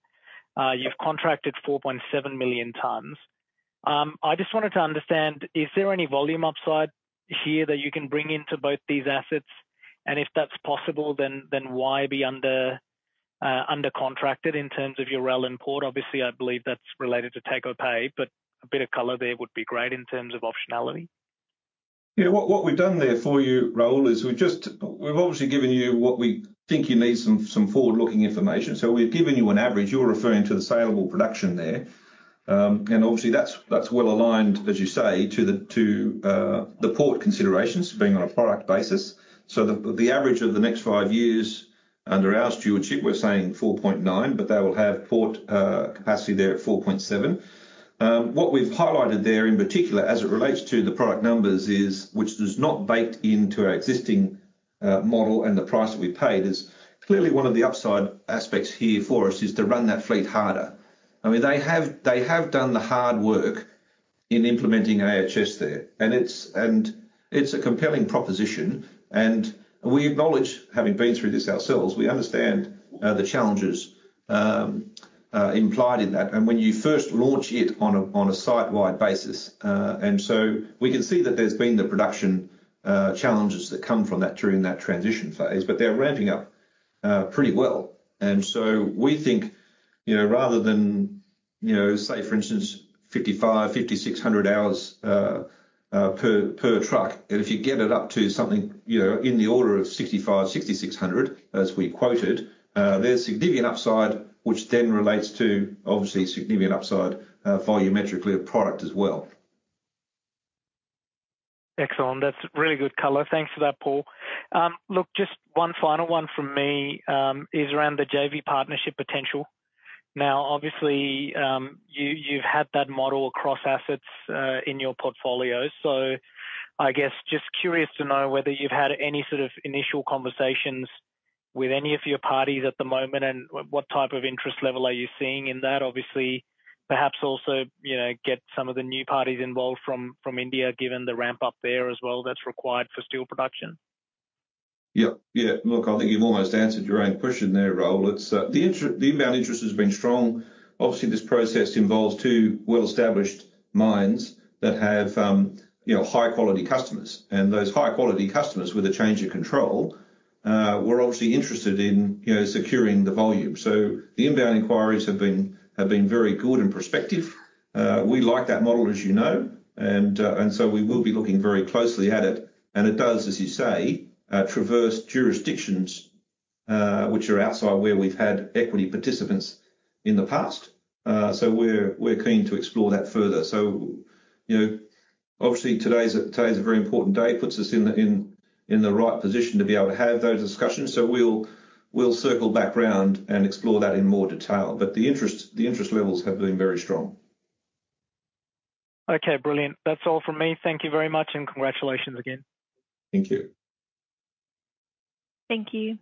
tonnes. You've contracted 4.7 million tonnes. I just wanted to understand, is there any volume upside here that you can bring into both these assets? And if that's possible, then why be under contracted in terms of your rail and port? Obviously, I believe that's related to take-or-pay, but a bit of color there would be great in terms of optionality. Yeah, what we've done there for you, Rahul, is we've just. We've obviously given you what we think you need some forward-looking information. So we've given you an average, you're referring to the salable production there. And obviously, that's well aligned, as you say, to the port considerations being on a product basis. So the average of the next five years under our stewardship, we're saying 4.9 million tonnes, but they will have port capacity there at 4.7 million tonnes. What we've highlighted there, in particular, as it relates to the product numbers is, which is not baked into our existing model and the price that we paid, is clearly one of the upside aspects here for us is to run that fleet harder. I mean, they have, they have done the hard work in implementing AHS there, and it's, and it's a compelling proposition, and we acknowledge, having been through this ourselves, we understand the challenges implied in that. And when you first launch it on a, on a site-wide basis, and so we can see that there's been the production challenges that come from that during that transition phase, but they're ramping up pretty well. And so we think, you know, rather than, you know, say, for instance, 5,500-5,600 hours per truck, and if you get it up to something, you know, in the order of 6,500-6,600, as we quoted, there's significant upside, which then relates to obviously significant upside volumetrically of product as well. Excellent. That's really good color. Thanks for that, Paul. Look, just one final one from me, is around the JV partnership potential. Now, obviously, you, you've had that model across assets, in your portfolio, so I guess just curious to know whether you've had any sort of initial conversations with any of your parties at the moment, and what type of interest level are you seeing in that? Obviously, perhaps also, you know, get some of the new parties involved from India, given the ramp-up there as well, that's required for steel production. Yeah, yeah. Look, I think you've almost answered your own question there, Rahul. It's the inbound interest has been strong. Obviously, this process involves two well-established mines that have, you know, high-quality customers. And those high-quality customers, with a change of control, were obviously interested in, you know, securing the volume. So the inbound inquiries have been very good in perspective. We like that model, as you know, and so we will be looking very closely at it, and it does, as you say, traverse jurisdictions, which are outside where we've had equity participants in the past. So we're keen to explore that further. So, you know, obviously, today's a very important day. It puts us in the right position to be able to have those discussions. So we'll circle back round and explore that in more detail. But the interest levels have been very strong. Okay, brilliant. That's all from me. Thank you very much, and congratulations again. Thank you. Thank you.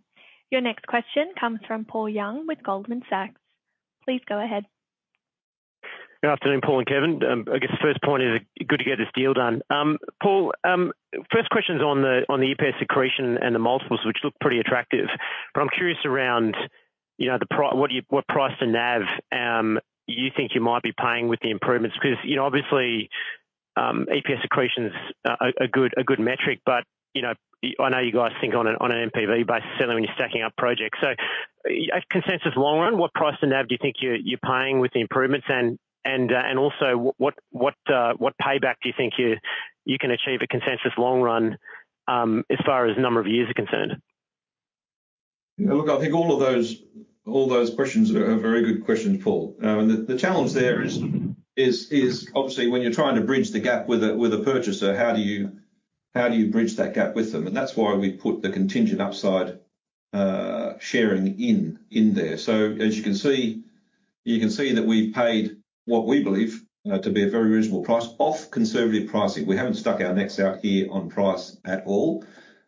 Your next question comes from Paul Young with Goldman Sachs. Please go ahead. Good afternoon, Paul and Kevin. I guess the first point is, good to get this deal done. Paul, first question's on the, on the EPS accretion and the multiples, which look pretty attractive. But I'm curious around, you know, what you, what price to NAV, you think you might be paying with the improvements? Because, you know, obviously, EPS accretion is a good metric, but, you know, I know you guys think on a, on a NPV basis, certainly when you're stacking up projects. So, consensus long run, what price to NAV do you think you're paying with the improvements? And, and, and also, what payback do you think you can achieve a consensus long run, as far as number of years are concerned? Yeah, look, I think all of those questions are very good questions, Paul. The challenge there is obviously when you're trying to bridge the gap with a purchaser, how do you bridge that gap with them? And that's why we put the contingent upside sharing in there. So as you can see, we've paid what we believe to be a very reasonable price off conservative pricing. We haven't stuck our necks out here on price at all,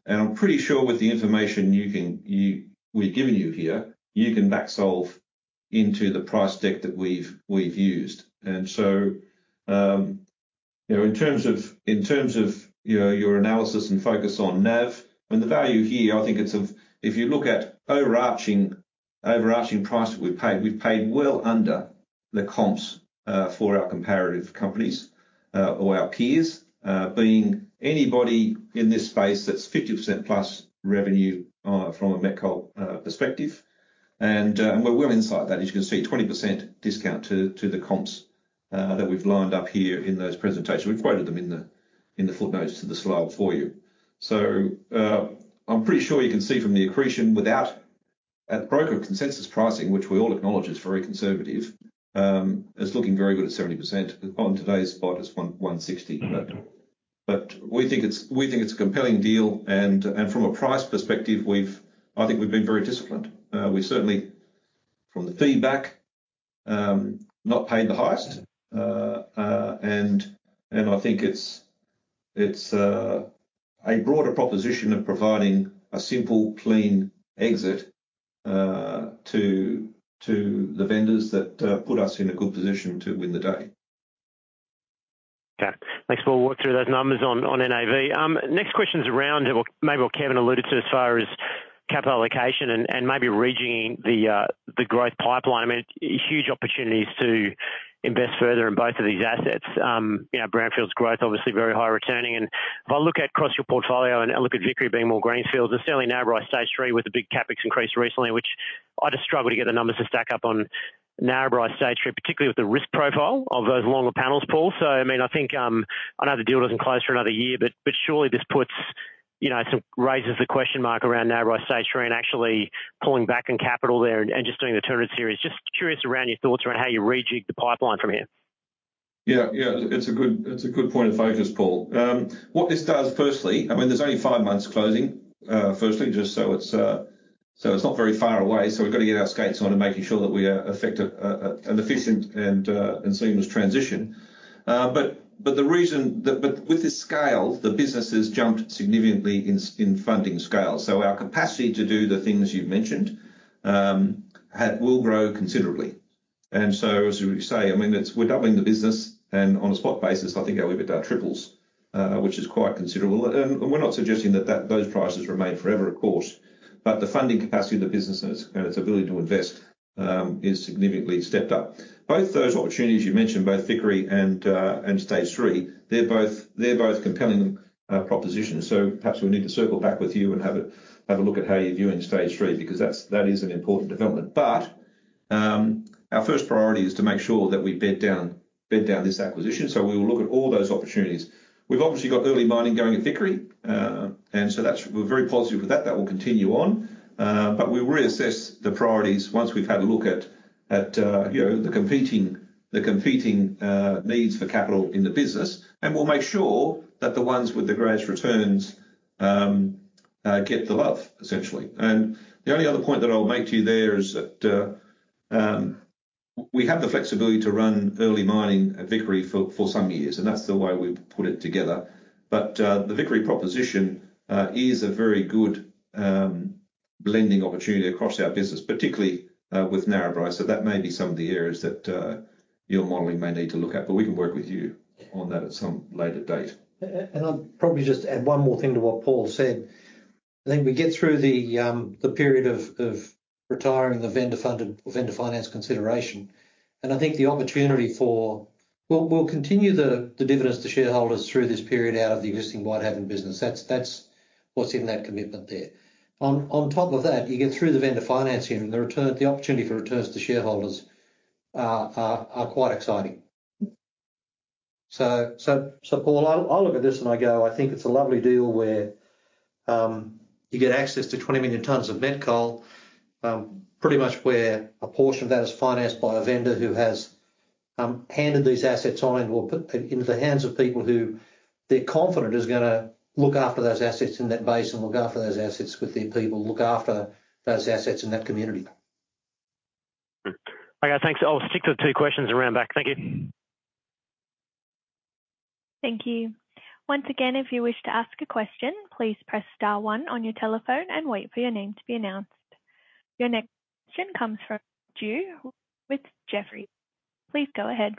and I'm pretty sure with the information we've given you here, you can back solve into the price deck that we've used. And so, you know, in terms of your analysis and focus on NAV, and the value here, I think it's of... If you look at overarching price that we've paid, we've paid well under the comps, for our comparative companies, or our peers, being anybody in this space that's 50% plus revenue, from a metallurgical perspective. We're well inside that. As you can see, 20% discount to the comps that we've lined up here in those presentations. We've quoted them in the footnotes to the slide for you. So, I'm pretty sure you can see from the accretion without at broker consensus pricing, which we all acknowledge is very conservative, is looking very good at 70%. On today's spot, it's 160. But we think it's a compelling deal, and from a price perspective, we've—I think we've been very disciplined. We certainly, from the feedback, not paid the highest. I think it's a broader proposition of providing a simple, clean exit to the vendors that put us in a good position to win the day. Okay. Thanks for walking through those numbers on NAV. Next question is around what—maybe what Kevin alluded to as far as capital allocation and maybe reaching the growth pipeline. I mean, huge opportunities to invest further in both of these assets. You know, brownfields growth, obviously very high returning, and if I look across your portfolio and I look at Vickery being more greenfields, and certainly Narrabri Stage 3, with the big CapEx increase recently, which I just struggle to get the numbers to stack up on Narrabri Stage 3, particularly with the risk profile of those longer panels, Paul. So, I mean, I think, I know the deal doesn't close for another year, but surely this puts-... You know, so raises the question mark around now, where I say, Shane, actually pulling back on capital there and just doing the turnaround series. Just curious around your thoughts around how you rejig the pipeline from here. Yeah, yeah, it's a good, it's a good point of focus, Paul. What this does, firstly, I mean, there's only five months closing, firstly, just so it's, so it's not very far away, so we've got to get our skates on and making sure that we are effective, and efficient and, and seamless transition. But, but the reason... But, but with this scale, the business has jumped significantly in funding scale. So our capacity to do the things you've mentioned, had, will grow considerably. And so, as you say, I mean, it's, we're doubling the business, and on a spot basis, I think our EBITDA triples, which is quite considerable. We're not suggesting that those prices remain forever, of course, but the funding capacity of the business and its ability to invest is significantly stepped up. Both those opportunities you mentioned, both Vickery and Stage 3, they're both compelling propositions. So perhaps we need to circle back with you and have a look at how you're viewing Stage 3, because that is an important development. But our first priority is to make sure that we bed down this acquisition, so we will look at all those opportunities. We've obviously got early mining going at Vickery, and so that's... We're very positive with that. That will continue on. But we'll reassess the priorities once we've had a look at, you know, the competing needs for capital in the business, and we'll make sure that the ones with the greatest returns get the love, essentially. And the only other point that I'll make to you there is that we have the flexibility to run early mining at Vickery for some years, and that's the way we've put it together. But the Vickery proposition is a very good blending opportunity across our business, particularly with Narrabri. So that may be some of the areas that your modeling may need to look at, but we can work with you on that at some later date. And I'll probably just add one more thing to what Paul said. I think we get through the period of retiring the vendor-funded vendor finance consideration, and I think the opportunity for... We'll continue the dividends to shareholders through this period out of the existing Whitehaven business. That's what's in that commitment there. On top of that, you get through the vendor financing and the return, the opportunity for returns to shareholders are quite exciting. Paul, I look at this and I go, I think it's a lovely deal where you get access to 20 million tonnes of met coal, pretty much where a portion of that is financed by a vendor who has handed these assets on or put them into the hands of people who they're confident is gonna look after those assets in that Basin and look after those assets with their people, look after those assets in that community. Hmm. Okay, thanks. I'll stick to the two questions around back. Thank you. Thank you. Once again, if you wish to ask a question, please press star one on your telephone and wait for your name to be announced. Your next question comes from Chris Drew with Jefferies. Please go ahead.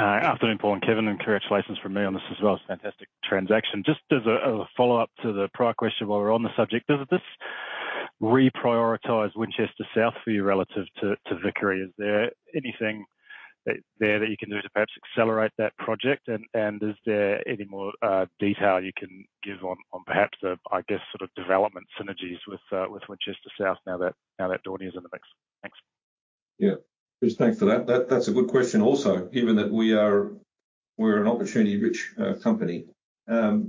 Afternoon, Paul and Kevin, and congratulations from me on this as well. It's a fantastic transaction. Just as a follow-up to the prior question, while we're on the subject, does this reprioritize Winchester South for you relative to Vickery? Is there anything that you can do to perhaps accelerate that project? And is there any more detail you can give on perhaps the, I guess, sort of development synergies with Winchester South now that Daunia is in the mix? Thanks. Yeah. Chris, thanks for that. That's a good question also, given that we are, we're an opportunity-rich company. Now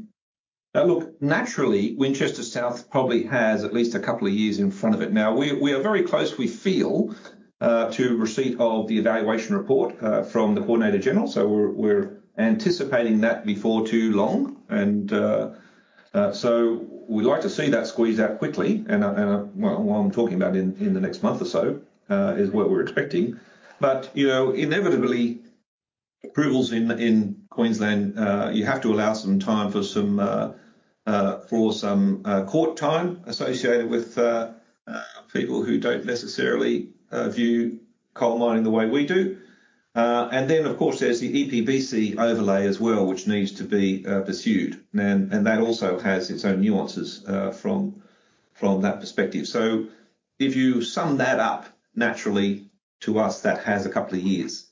look, naturally, Winchester South probably has at least a couple of years in front of it. Now, we are very close, we feel, to receipt of the evaluation report from the Coordinator-General, so we're anticipating that before too long. And, so we'd like to see that squeezed out quickly. And I, and I... Well, what I'm talking about in the next month or so is what we're expecting. But, you know, inevitably, approvals in Queensland, you have to allow some time for some court time associated with people who don't necessarily view coal mining the way we do. And then, of course, there's the EPBC overlay as well, which needs to be pursued. That also has its own nuances from that perspective. So if you sum that up naturally to us, that has a couple of years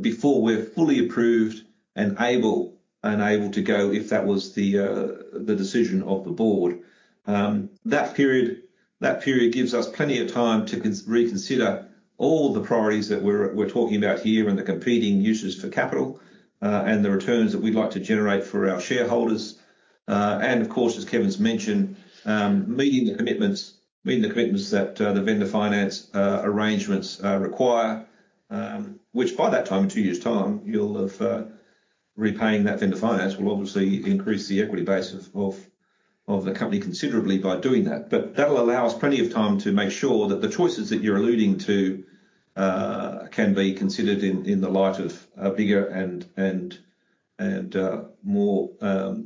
before we're fully approved and able to go, if that was the decision of the board. That period gives us plenty of time to reconsider all the priorities that we're talking about here and the competing uses for capital, and the returns that we'd like to generate for our shareholders. And of course, as Kevin's mentioned, meeting the commitments, meeting the commitments that the vendor finance arrangements require, which by that time, in two years' time, you'll have repaying that vendor finance will obviously increase the equity base of the company considerably by doing that. But that will allow us plenty of time to make sure that the choices that you're alluding to can be considered in the light of a bigger and more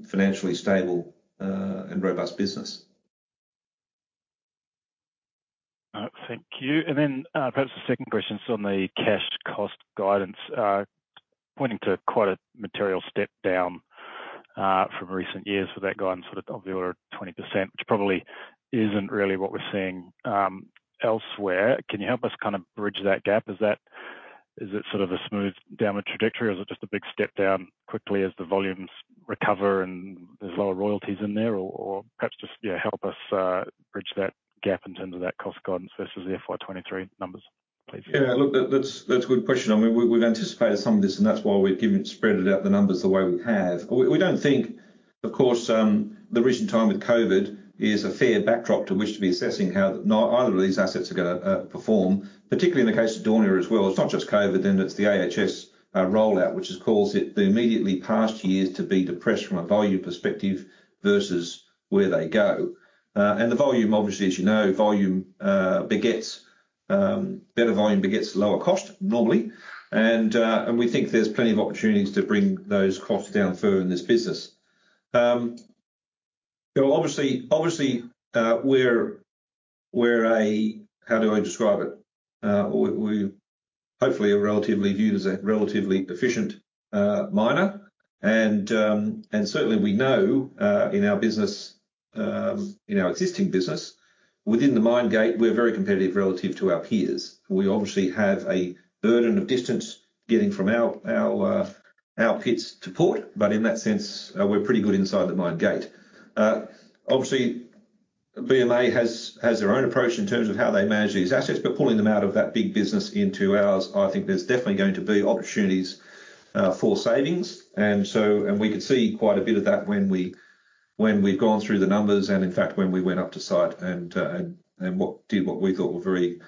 financially stable and robust business. Thank you. And then, perhaps the second question is on the cash cost guidance, pointing to quite a material step down from recent years for that guide and sort of of the order of 20%, which probably isn't really what we're seeing elsewhere. Can you help us kind of bridge that gap? Is that, is it sort of a smooth downward trajectory, or is it just a big step down quickly as the volumes recover and there's lower royalties in there, or, or perhaps just, yeah, help us bridge that gap in terms of that cost guidance versus the FY 2023 numbers? Yeah, look, that's a good question. I mean, we've anticipated some of this, and that's why we've spread it out the numbers the way we have. We don't think, of course, the recent time with COVID is a fair backdrop to which to be assessing how neither of these assets are gonna perform, particularly in the case of Daunia as well. It's not just COVID, then it's the AHS rollout, which has caused the immediately past years to be depressed from a volume perspective versus where they go. And the volume, obviously, as you know, volume begets better volume begets lower cost normally. And we think there's plenty of opportunities to bring those costs down further in this business. So obviously, we're a... How do I describe it? We hopefully are relatively viewed as a relatively efficient miner, and certainly we know in our business in our existing business, within the mine gate, we're very competitive relative to our peers. We obviously have a burden of distance getting from our pits to port, but in that sense, we're pretty good inside the mine gate. Obviously, BMA has their own approach in terms of how they manage these assets, but pulling them out of that big business into ours, I think there's definitely going to be opportunities for savings. So, we could see quite a bit of that when we've gone through the numbers, and in fact, when we went up to site and what we thought were very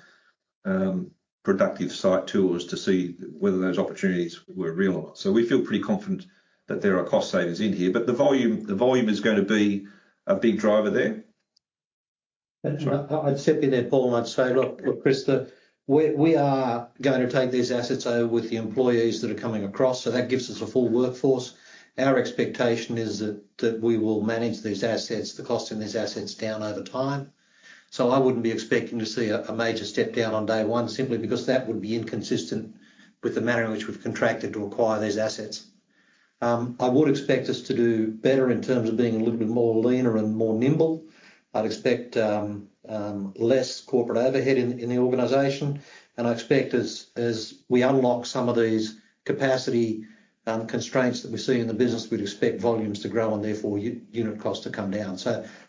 productive site tours to see whether those opportunities were real or not. So we feel pretty confident that there are cost savings in here, but the volume, the volume is gonna be a big driver there. I'd chip in there, Paul, and I'd say, look, Chris, we are going to take these assets over with the employees that are coming across, so that gives us a full workforce. Our expectation is that we will manage these assets, the cost in these assets down over time. So I wouldn't be expecting to see a major step down on day one simply because that would be inconsistent with the manner in which we've contracted to acquire these assets. I would expect us to do better in terms of being a little bit more leaner and more nimble. I'd expect less corporate overhead in the organization, and I expect as we unlock some of these capacity constraints that we see in the business, we'd expect volumes to grow and therefore unit costs to come down.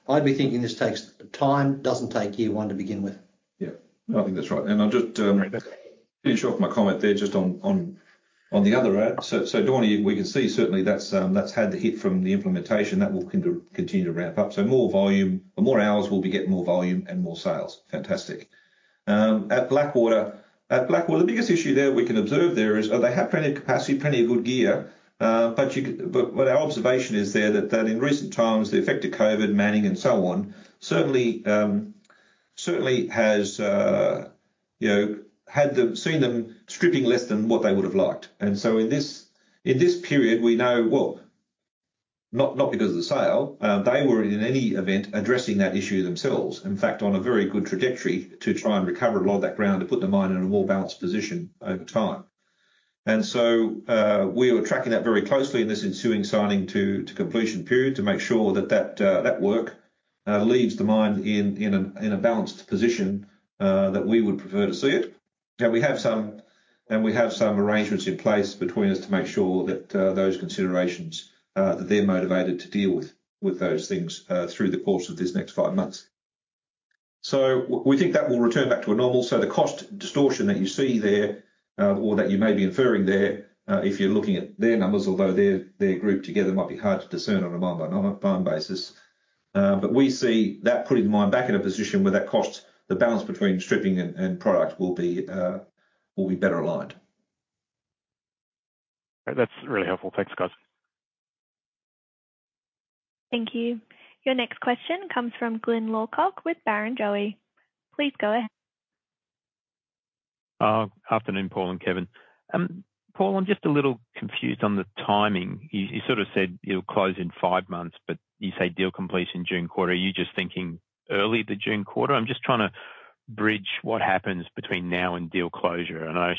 I'd be thinking this takes time, doesn't take year one to begin with. Yeah, I think that's right. And I'll just finish off my comment there just on the other end. So Daunia, we can see certainly that's had the hit from the implementation. That will continue to ramp up. So more volume, more hours, we'll be getting more volume and more sales. Fantastic. At Blackwater, the biggest issue there we can observe there is, they have plenty of capacity, plenty of good gear, but our observation is there that in recent times, the effect of COVID, manning, and so on, certainly has, you know, had seen them stripping less than what they would have liked. In this period, we know, well, not because of the sale, they were in any event addressing that issue themselves. In fact, on a very good trajectory to try and recover a lot of that ground to put the mine in a more balanced position over time. So, we were tracking that very closely in this ensuing signing to completion period to make sure that that work leaves the mine in a balanced position that we would prefer to see it. Now, we have some arrangements in place between us to make sure that those considerations that they're motivated to deal with those things through the course of this next five months. So we think that will return back to a normal. So the cost distortion that you see there, or that you may be inferring there, if you're looking at their numbers, although they're grouped together, might be hard to discern on a mine by mine basis. But we see that putting the mine back in a position where that cost, the balance between stripping and product will be better aligned. That's really helpful. Thanks, guys. Thank you. Your next question comes from Glyn Lawcock with Barrenjoey. Please go ahead. Afternoon, Paul and Kevin. Paul, I'm just a little confused on the timing. You sort of said it'll close in five months, but you say deal complete in June quarter. Are you just thinking early the June quarter? I'm just trying to bridge what happens between now and deal closure, and I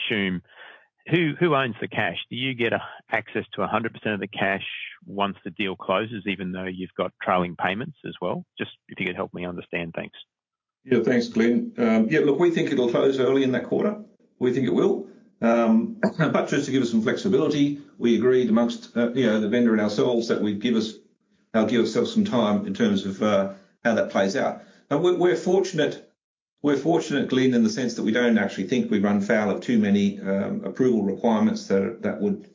assume... Who owns the cash? Do you get access to 100% of the cash once the deal closes, even though you've got trailing payments as well? Just if you could help me understand. Thanks. Yeah, thanks, Glyn. Yeah, look, we think it'll close early in that quarter. We think it will. But just to give us some flexibility, we agreed amongst, you know, the vendor and ourselves, that we'd give us, give ourselves some time in terms of, how that plays out. But we, we're fortunate, we're fortunate, Glyn, in the sense that we don't actually think we run foul of too many, approval requirements that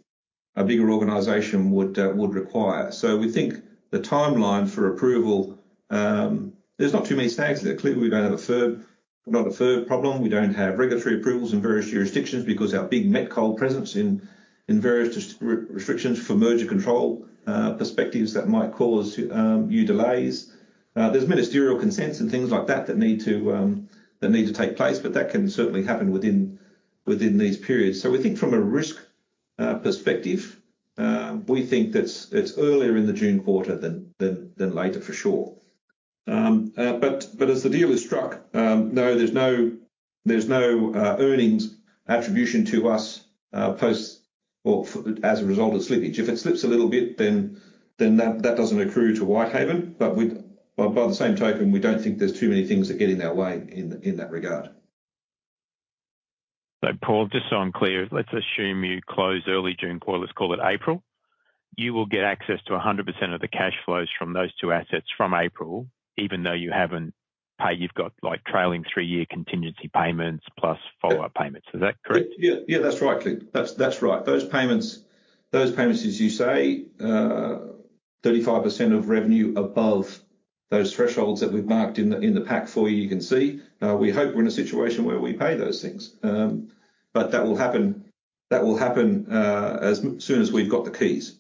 a bigger organization would require. So we think the timeline for approval, there's not too many snags there. Clearly, we don't have a FIRB, not a FIRB problem. We don't have regulatory approvals in various jurisdictions because our big met coal presence in, in various distri- restrictions for merger control, perspectives that might cause, you delays. There's ministerial consents and things like that that need to take place, but that can certainly happen within these periods. So we think from a risk perspective, we think that it's earlier in the June quarter than later for sure. But as the deal is struck, no, there's no earnings attribution to us post or as a result of slippage. If it slips a little bit, then that doesn't accrue to Whitehaven. But by the same token, we don't think there's too many things that get in our way in that regard. Paul, just so I'm clear, let's assume you close early June quarter, let's call it April. You will get access to 100% of the cash flows from those two assets from April, even though you haven't paid, you've got, like, trailing three-year contingency payments plus follow-up payments. Is that correct? Yeah. Yeah, that's right, Glyn. That's right. Those payments, those payments, as you say, 35% of revenue above those thresholds that we've marked in the pack for you, you can see. We hope we're in a situation where we pay those things. But that will happen, that will happen, as soon as we've got the keys.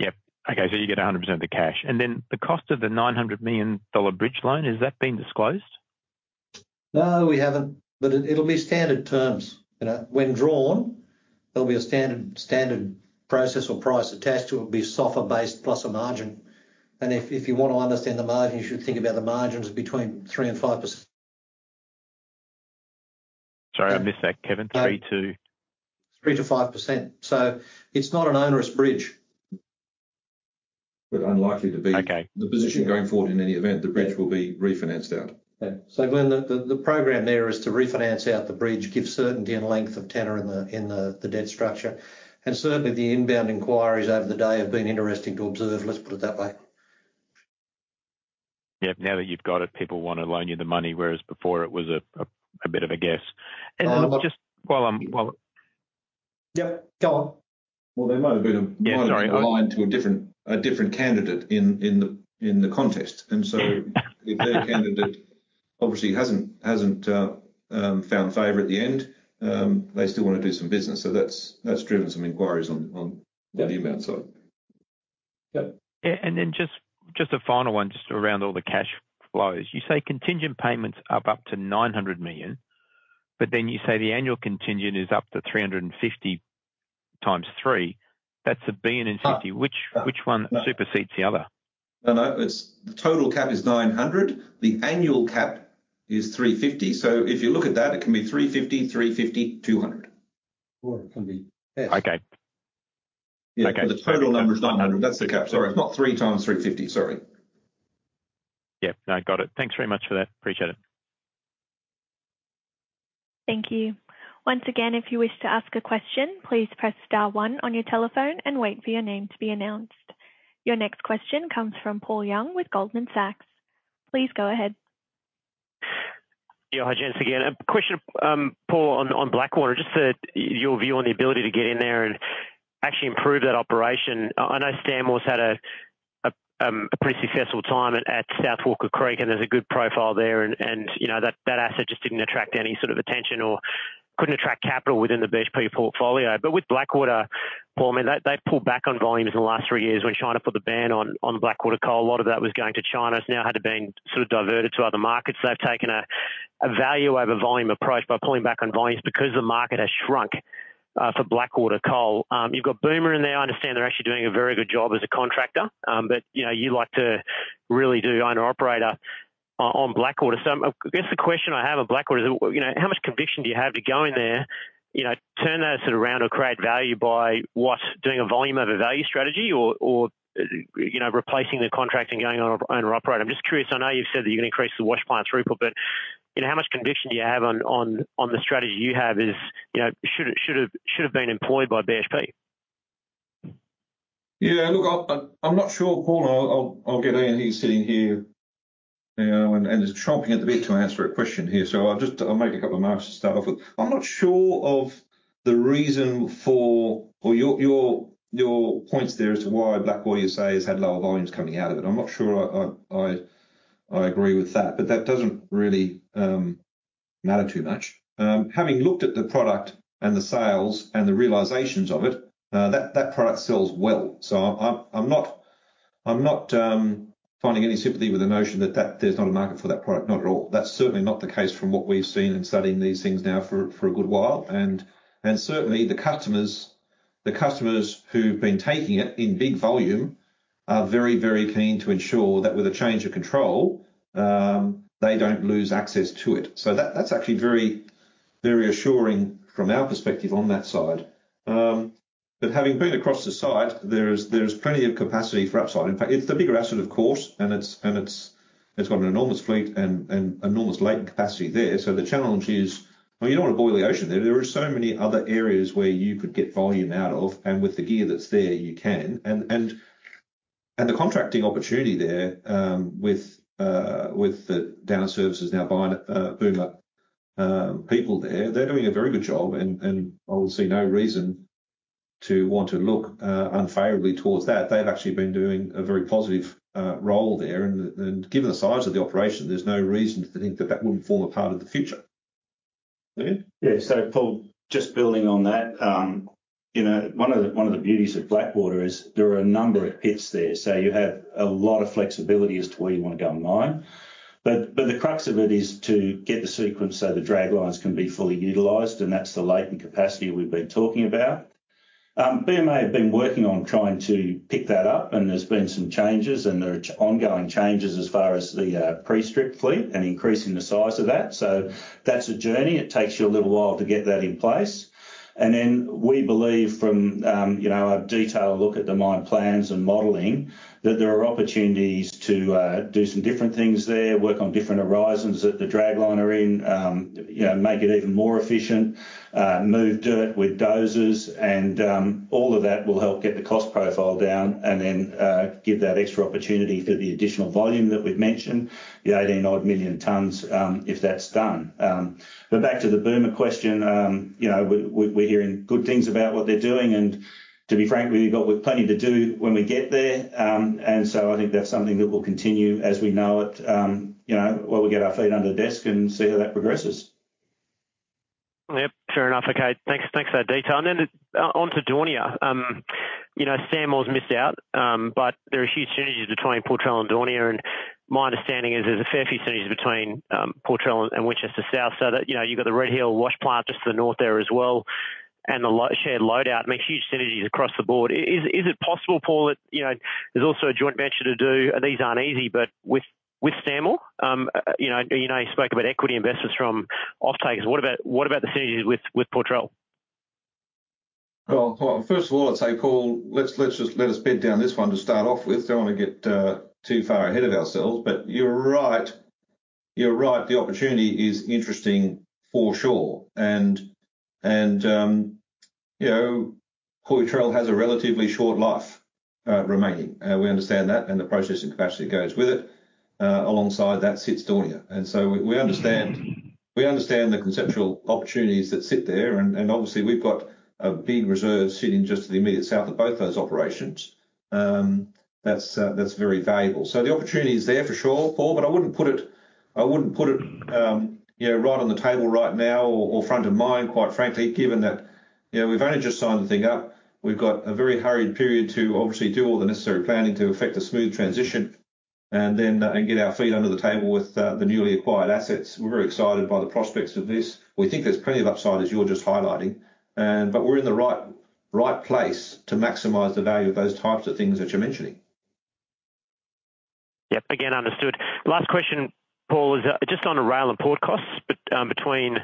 Yep. Okay, so you get 100% of the cash, and then the cost of the $900 million bridge loan, has that been disclosed? No, we haven't, but it'll be standard terms. You know, when drawn, there'll be a standard process or price attached to it. It will be SOFR-based plus a margin, and if you want to understand the margin, you should think about the margin is between 3%-5%. Sorry, I missed that, Kevin. Three to? 3%-5%. So it's not an onerous bridge. But unlikely to be- Okay. The position going forward, in any event, the bridge will be refinanced out. Yeah. So, Glyn, the program there is to refinance out the bridge, give certainty and length of tenure in the debt structure, and certainly the inbound inquiries over the day have been interesting to observe, let's put it that way. Yeah. Now that you've got it, people want to loan you the money, whereas before it was a bit of a guess. And then just while I'm, while- Yeah, go on. Well, there might have been a- Yeah, sorry ...line to a different candidate in the contest, and so—if their candidate obviously hasn't found favor at the end, they still wanna do some business. So that's driven some inquiries on the inbound side. Yeah. Yeah, and then just a final one, just around all the cash flows. You say contingent payments up to $900 million, but then you say the annual contingent is up to 350 × 3. That's $1,050,000,000. Ah. Which one supersedes the other? No, no, it's the total cap is $900 million. The annual cap is $350 million. So if you look at that, it can be $350 million, $350 million, $200 million. Or it can be less. Okay. Okay. The total number is $900 million. That's the cap. Sorry, it's not 3 x $350 million. Sorry. Yeah, no, got it. Thanks very much for that. Appreciate it. Thank you. Once again, if you wish to ask a question, please press star one on your telephone and wait for your name to be announced. Your next question comes from Paul Young with Goldman Sachs. Please go ahead. Yeah, hi, gents, again. Question, Paul, on Blackwater, just your view on the ability to get in there and actually improve that operation. I know Stanmore's had a pretty successful time at South Walker Creek, and there's a good profile there and, you know, that asset just didn't attract any sort of attention or couldn't attract capital within the BHP portfolio. But with Blackwater, Paul, I mean, they pulled back on volumes in the last three years when China put the ban on Blackwater coal. A lot of that was going to China. It's now had to been sort of diverted to other markets. They've taken a value over volume approach by pulling back on volumes because the market has shrunk for Blackwater coal. You've got BUMA in there. I understand they're actually doing a very good job as a contractor. But, you know, you like to really do owner-operator on Blackwater. So I guess the question I have on Blackwater is, you know, how much conviction do you have to go in there, you know, turn that sort of around or create value by what? Doing a volume over value strategy or, or, you know, replacing the contract and going on owner-operator? I'm just curious, I know you've said that you're gonna increase the wash plant throughput, but, you know, how much conviction do you have on the strategy you have is... You know, should have been employed by BHP? Yeah, look, I'm not sure, Paul. I'll get Ian. He's sitting here, and is chomping at the bit to answer a question here, so I'll just make a couple of marks to start off with. I'm not sure of the reason for... Or your point there as to why Blackwater, you say, has had lower volumes coming out of it. I'm not sure I agree with that, but that doesn't really matter too much. Having looked at the product and the sales and the realizations of it, that product sells well. So I'm not finding any sympathy with the notion that there's not a market for that product. Not at all. That's certainly not the case from what we've seen in studying these things now for a good while. And certainly the customers who've been taking it in big volume are very, very keen to ensure that with a change of control, they don't lose access to it. So that's actually very, very assuring from our perspective on that side. But having been across the site, there is plenty of capacity for upside. In fact, it's the bigger asset, of course, and it's got an enormous fleet and enormous latent capacity there. So the challenge is, well, you don't want to boil the ocean there. There are so many other areas where you could get volume out of, and with the gear that's there, you can. The contracting opportunity there with the Downer services now buying BUMA people there, they're doing a very good job, and I would see no reason to want to look unfavorably towards that. They've actually been doing a very positive role there, and given the size of the operation, there's no reason to think that that wouldn't form a part of the future. Ian? Yeah, so Paul, just building on that, you know, one of the beauties of Blackwater is there are a number of pits there, so you have a lot of flexibility as to where you want to go mine. But the crux of it is to get the sequence so the draglines can be fully utilized, and that's the latent capacity we've been talking about. BMA have been working on trying to pick that up, and there's been some changes, and there are ongoing changes as far as the pre-strip fleet and increasing the size of that. So that's a journey. It takes you a little while to get that in place. And then we believe from, you know, a detailed look at the mine plans and modeling, that there are opportunities to, do some different things there, work on different horizons that the dragline are in, you know, make it even more efficient, move dirt with dozers, and, all of that will help get the cost profile down and then, give that extra opportunity for the additional volume that we've mentioned, the 18-odd million tonnes, if that's done. But back to the BUMA question, you know, we, we, we're hearing good things about what they're doing, and to be frank with you, we've got plenty to do when we get there. And so I think that's something that will continue as we know it, you know, while we get our feet under the desk and see how that progresses. Yep, fair enough. Okay. Thanks, thanks for that detail. And then on to Daunia. You know, Stanmore's missed out, but there are huge synergies between Poitrel and Daunia, and my understanding is there's a fair few synergies between Poitrel and Winchester South, so that, you know, you've got the Red Hill wash plant just to the north there as well, and the shared load out makes huge synergies across the board. Is it possible, Paul, that, you know, there's also a joint venture to do, and these aren't easy, but with Stanmore? You know, you know, you spoke about equity investors from offtakers. What about, what about the synergies with Poitrel? Well, well, first of all, I'd say, Paul, let's, let's just let us bed down this one to start off with. Don't want to get too far ahead of ourselves, but you're right. You're right, the opportunity is interesting for sure. And, you know, Poitrel has a relatively short life remaining. We understand that, and the processing capacity goes with it. Alongside that sits Daunia, and so we understand the conceptual opportunities that sit there, and obviously, we've got a big reserve sitting just to the immediate south of both those operations. That's very valuable. So the opportunity is there for sure, Paul, but I wouldn't put it, you know, right on the table right now or front of mind, quite frankly, given that, you know, we've only just signed the thing up. We've got a very hurried period to obviously do all the necessary planning to effect a smooth transition, and then and get our feet under the table with the newly acquired assets. We're very excited by the prospects of this. We think there's plenty of upside, as you're just highlighting, and but we're in the right place to maximize the value of those types of things that you're mentioning. Yep, again, understood. Last question, Paul, is just on the rail and port costs between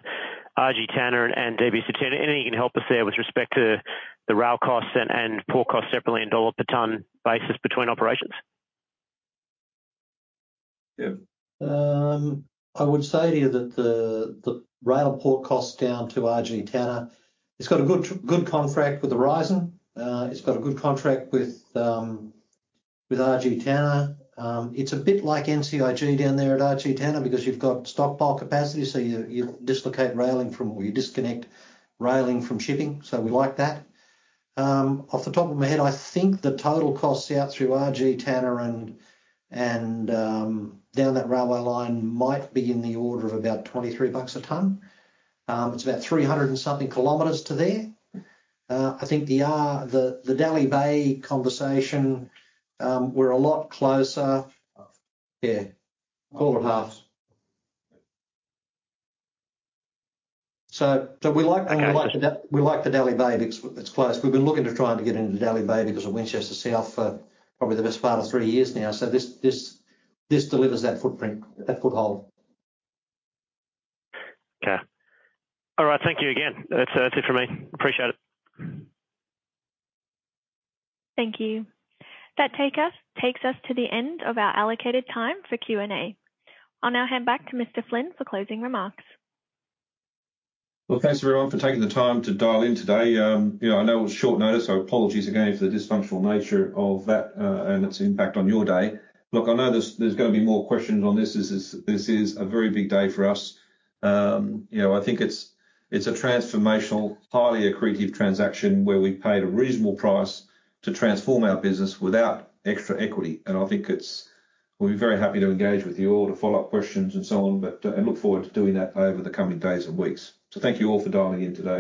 RG Tanna and DBCT. Anything you can help us there with respect to the rail costs and port costs separately in dollar per ton basis between operations? Yeah. I would say to you that the rail port cost down to RG Tanna, it's got a good contract with Aurizon. It's got a good contract with RG Tanna. It's a bit like NCIG down there at RG Tanna because you've got stockpile capacity, so you dislocate railing from or you disconnect railing from shipping, so we like that. Off the top of my head, I think the total costs out through RG Tanna and down that railway line might be in the order of about $23 a tonne. It's about 300-something kilometers to there. I think the Dalrymple Bay conversation, we're a lot closer. Yeah, 4.5. So we like- Okay. We like the, we like the Dalrymple Bay because it's close. We've been looking to trying to get into Dalrymple Bay because of Winchester South for probably the best part of three years now. So this, this, this delivers that footprint, that foothold. Okay. All right. Thank you again. That's, that's it for me. Appreciate it. Thank you. That takes us to the end of our allocated time for Q&A. I'll now hand back to Mr. Flynn for closing remarks. Well, thanks, everyone, for taking the time to dial in today. You know, I know it was short notice, so apologies again for the dysfunctional nature of that, and its impact on your day. Look, I know there's, there's gonna be more questions on this. This is, this is a very big day for us. You know, I think it's, it's a transformational, highly accretive transaction where we paid a reasonable price to transform our business without extra equity. And I think it's... We'll be very happy to engage with you all to follow up questions and so on, but, I look forward to doing that over the coming days and weeks. So thank you all for dialing in today.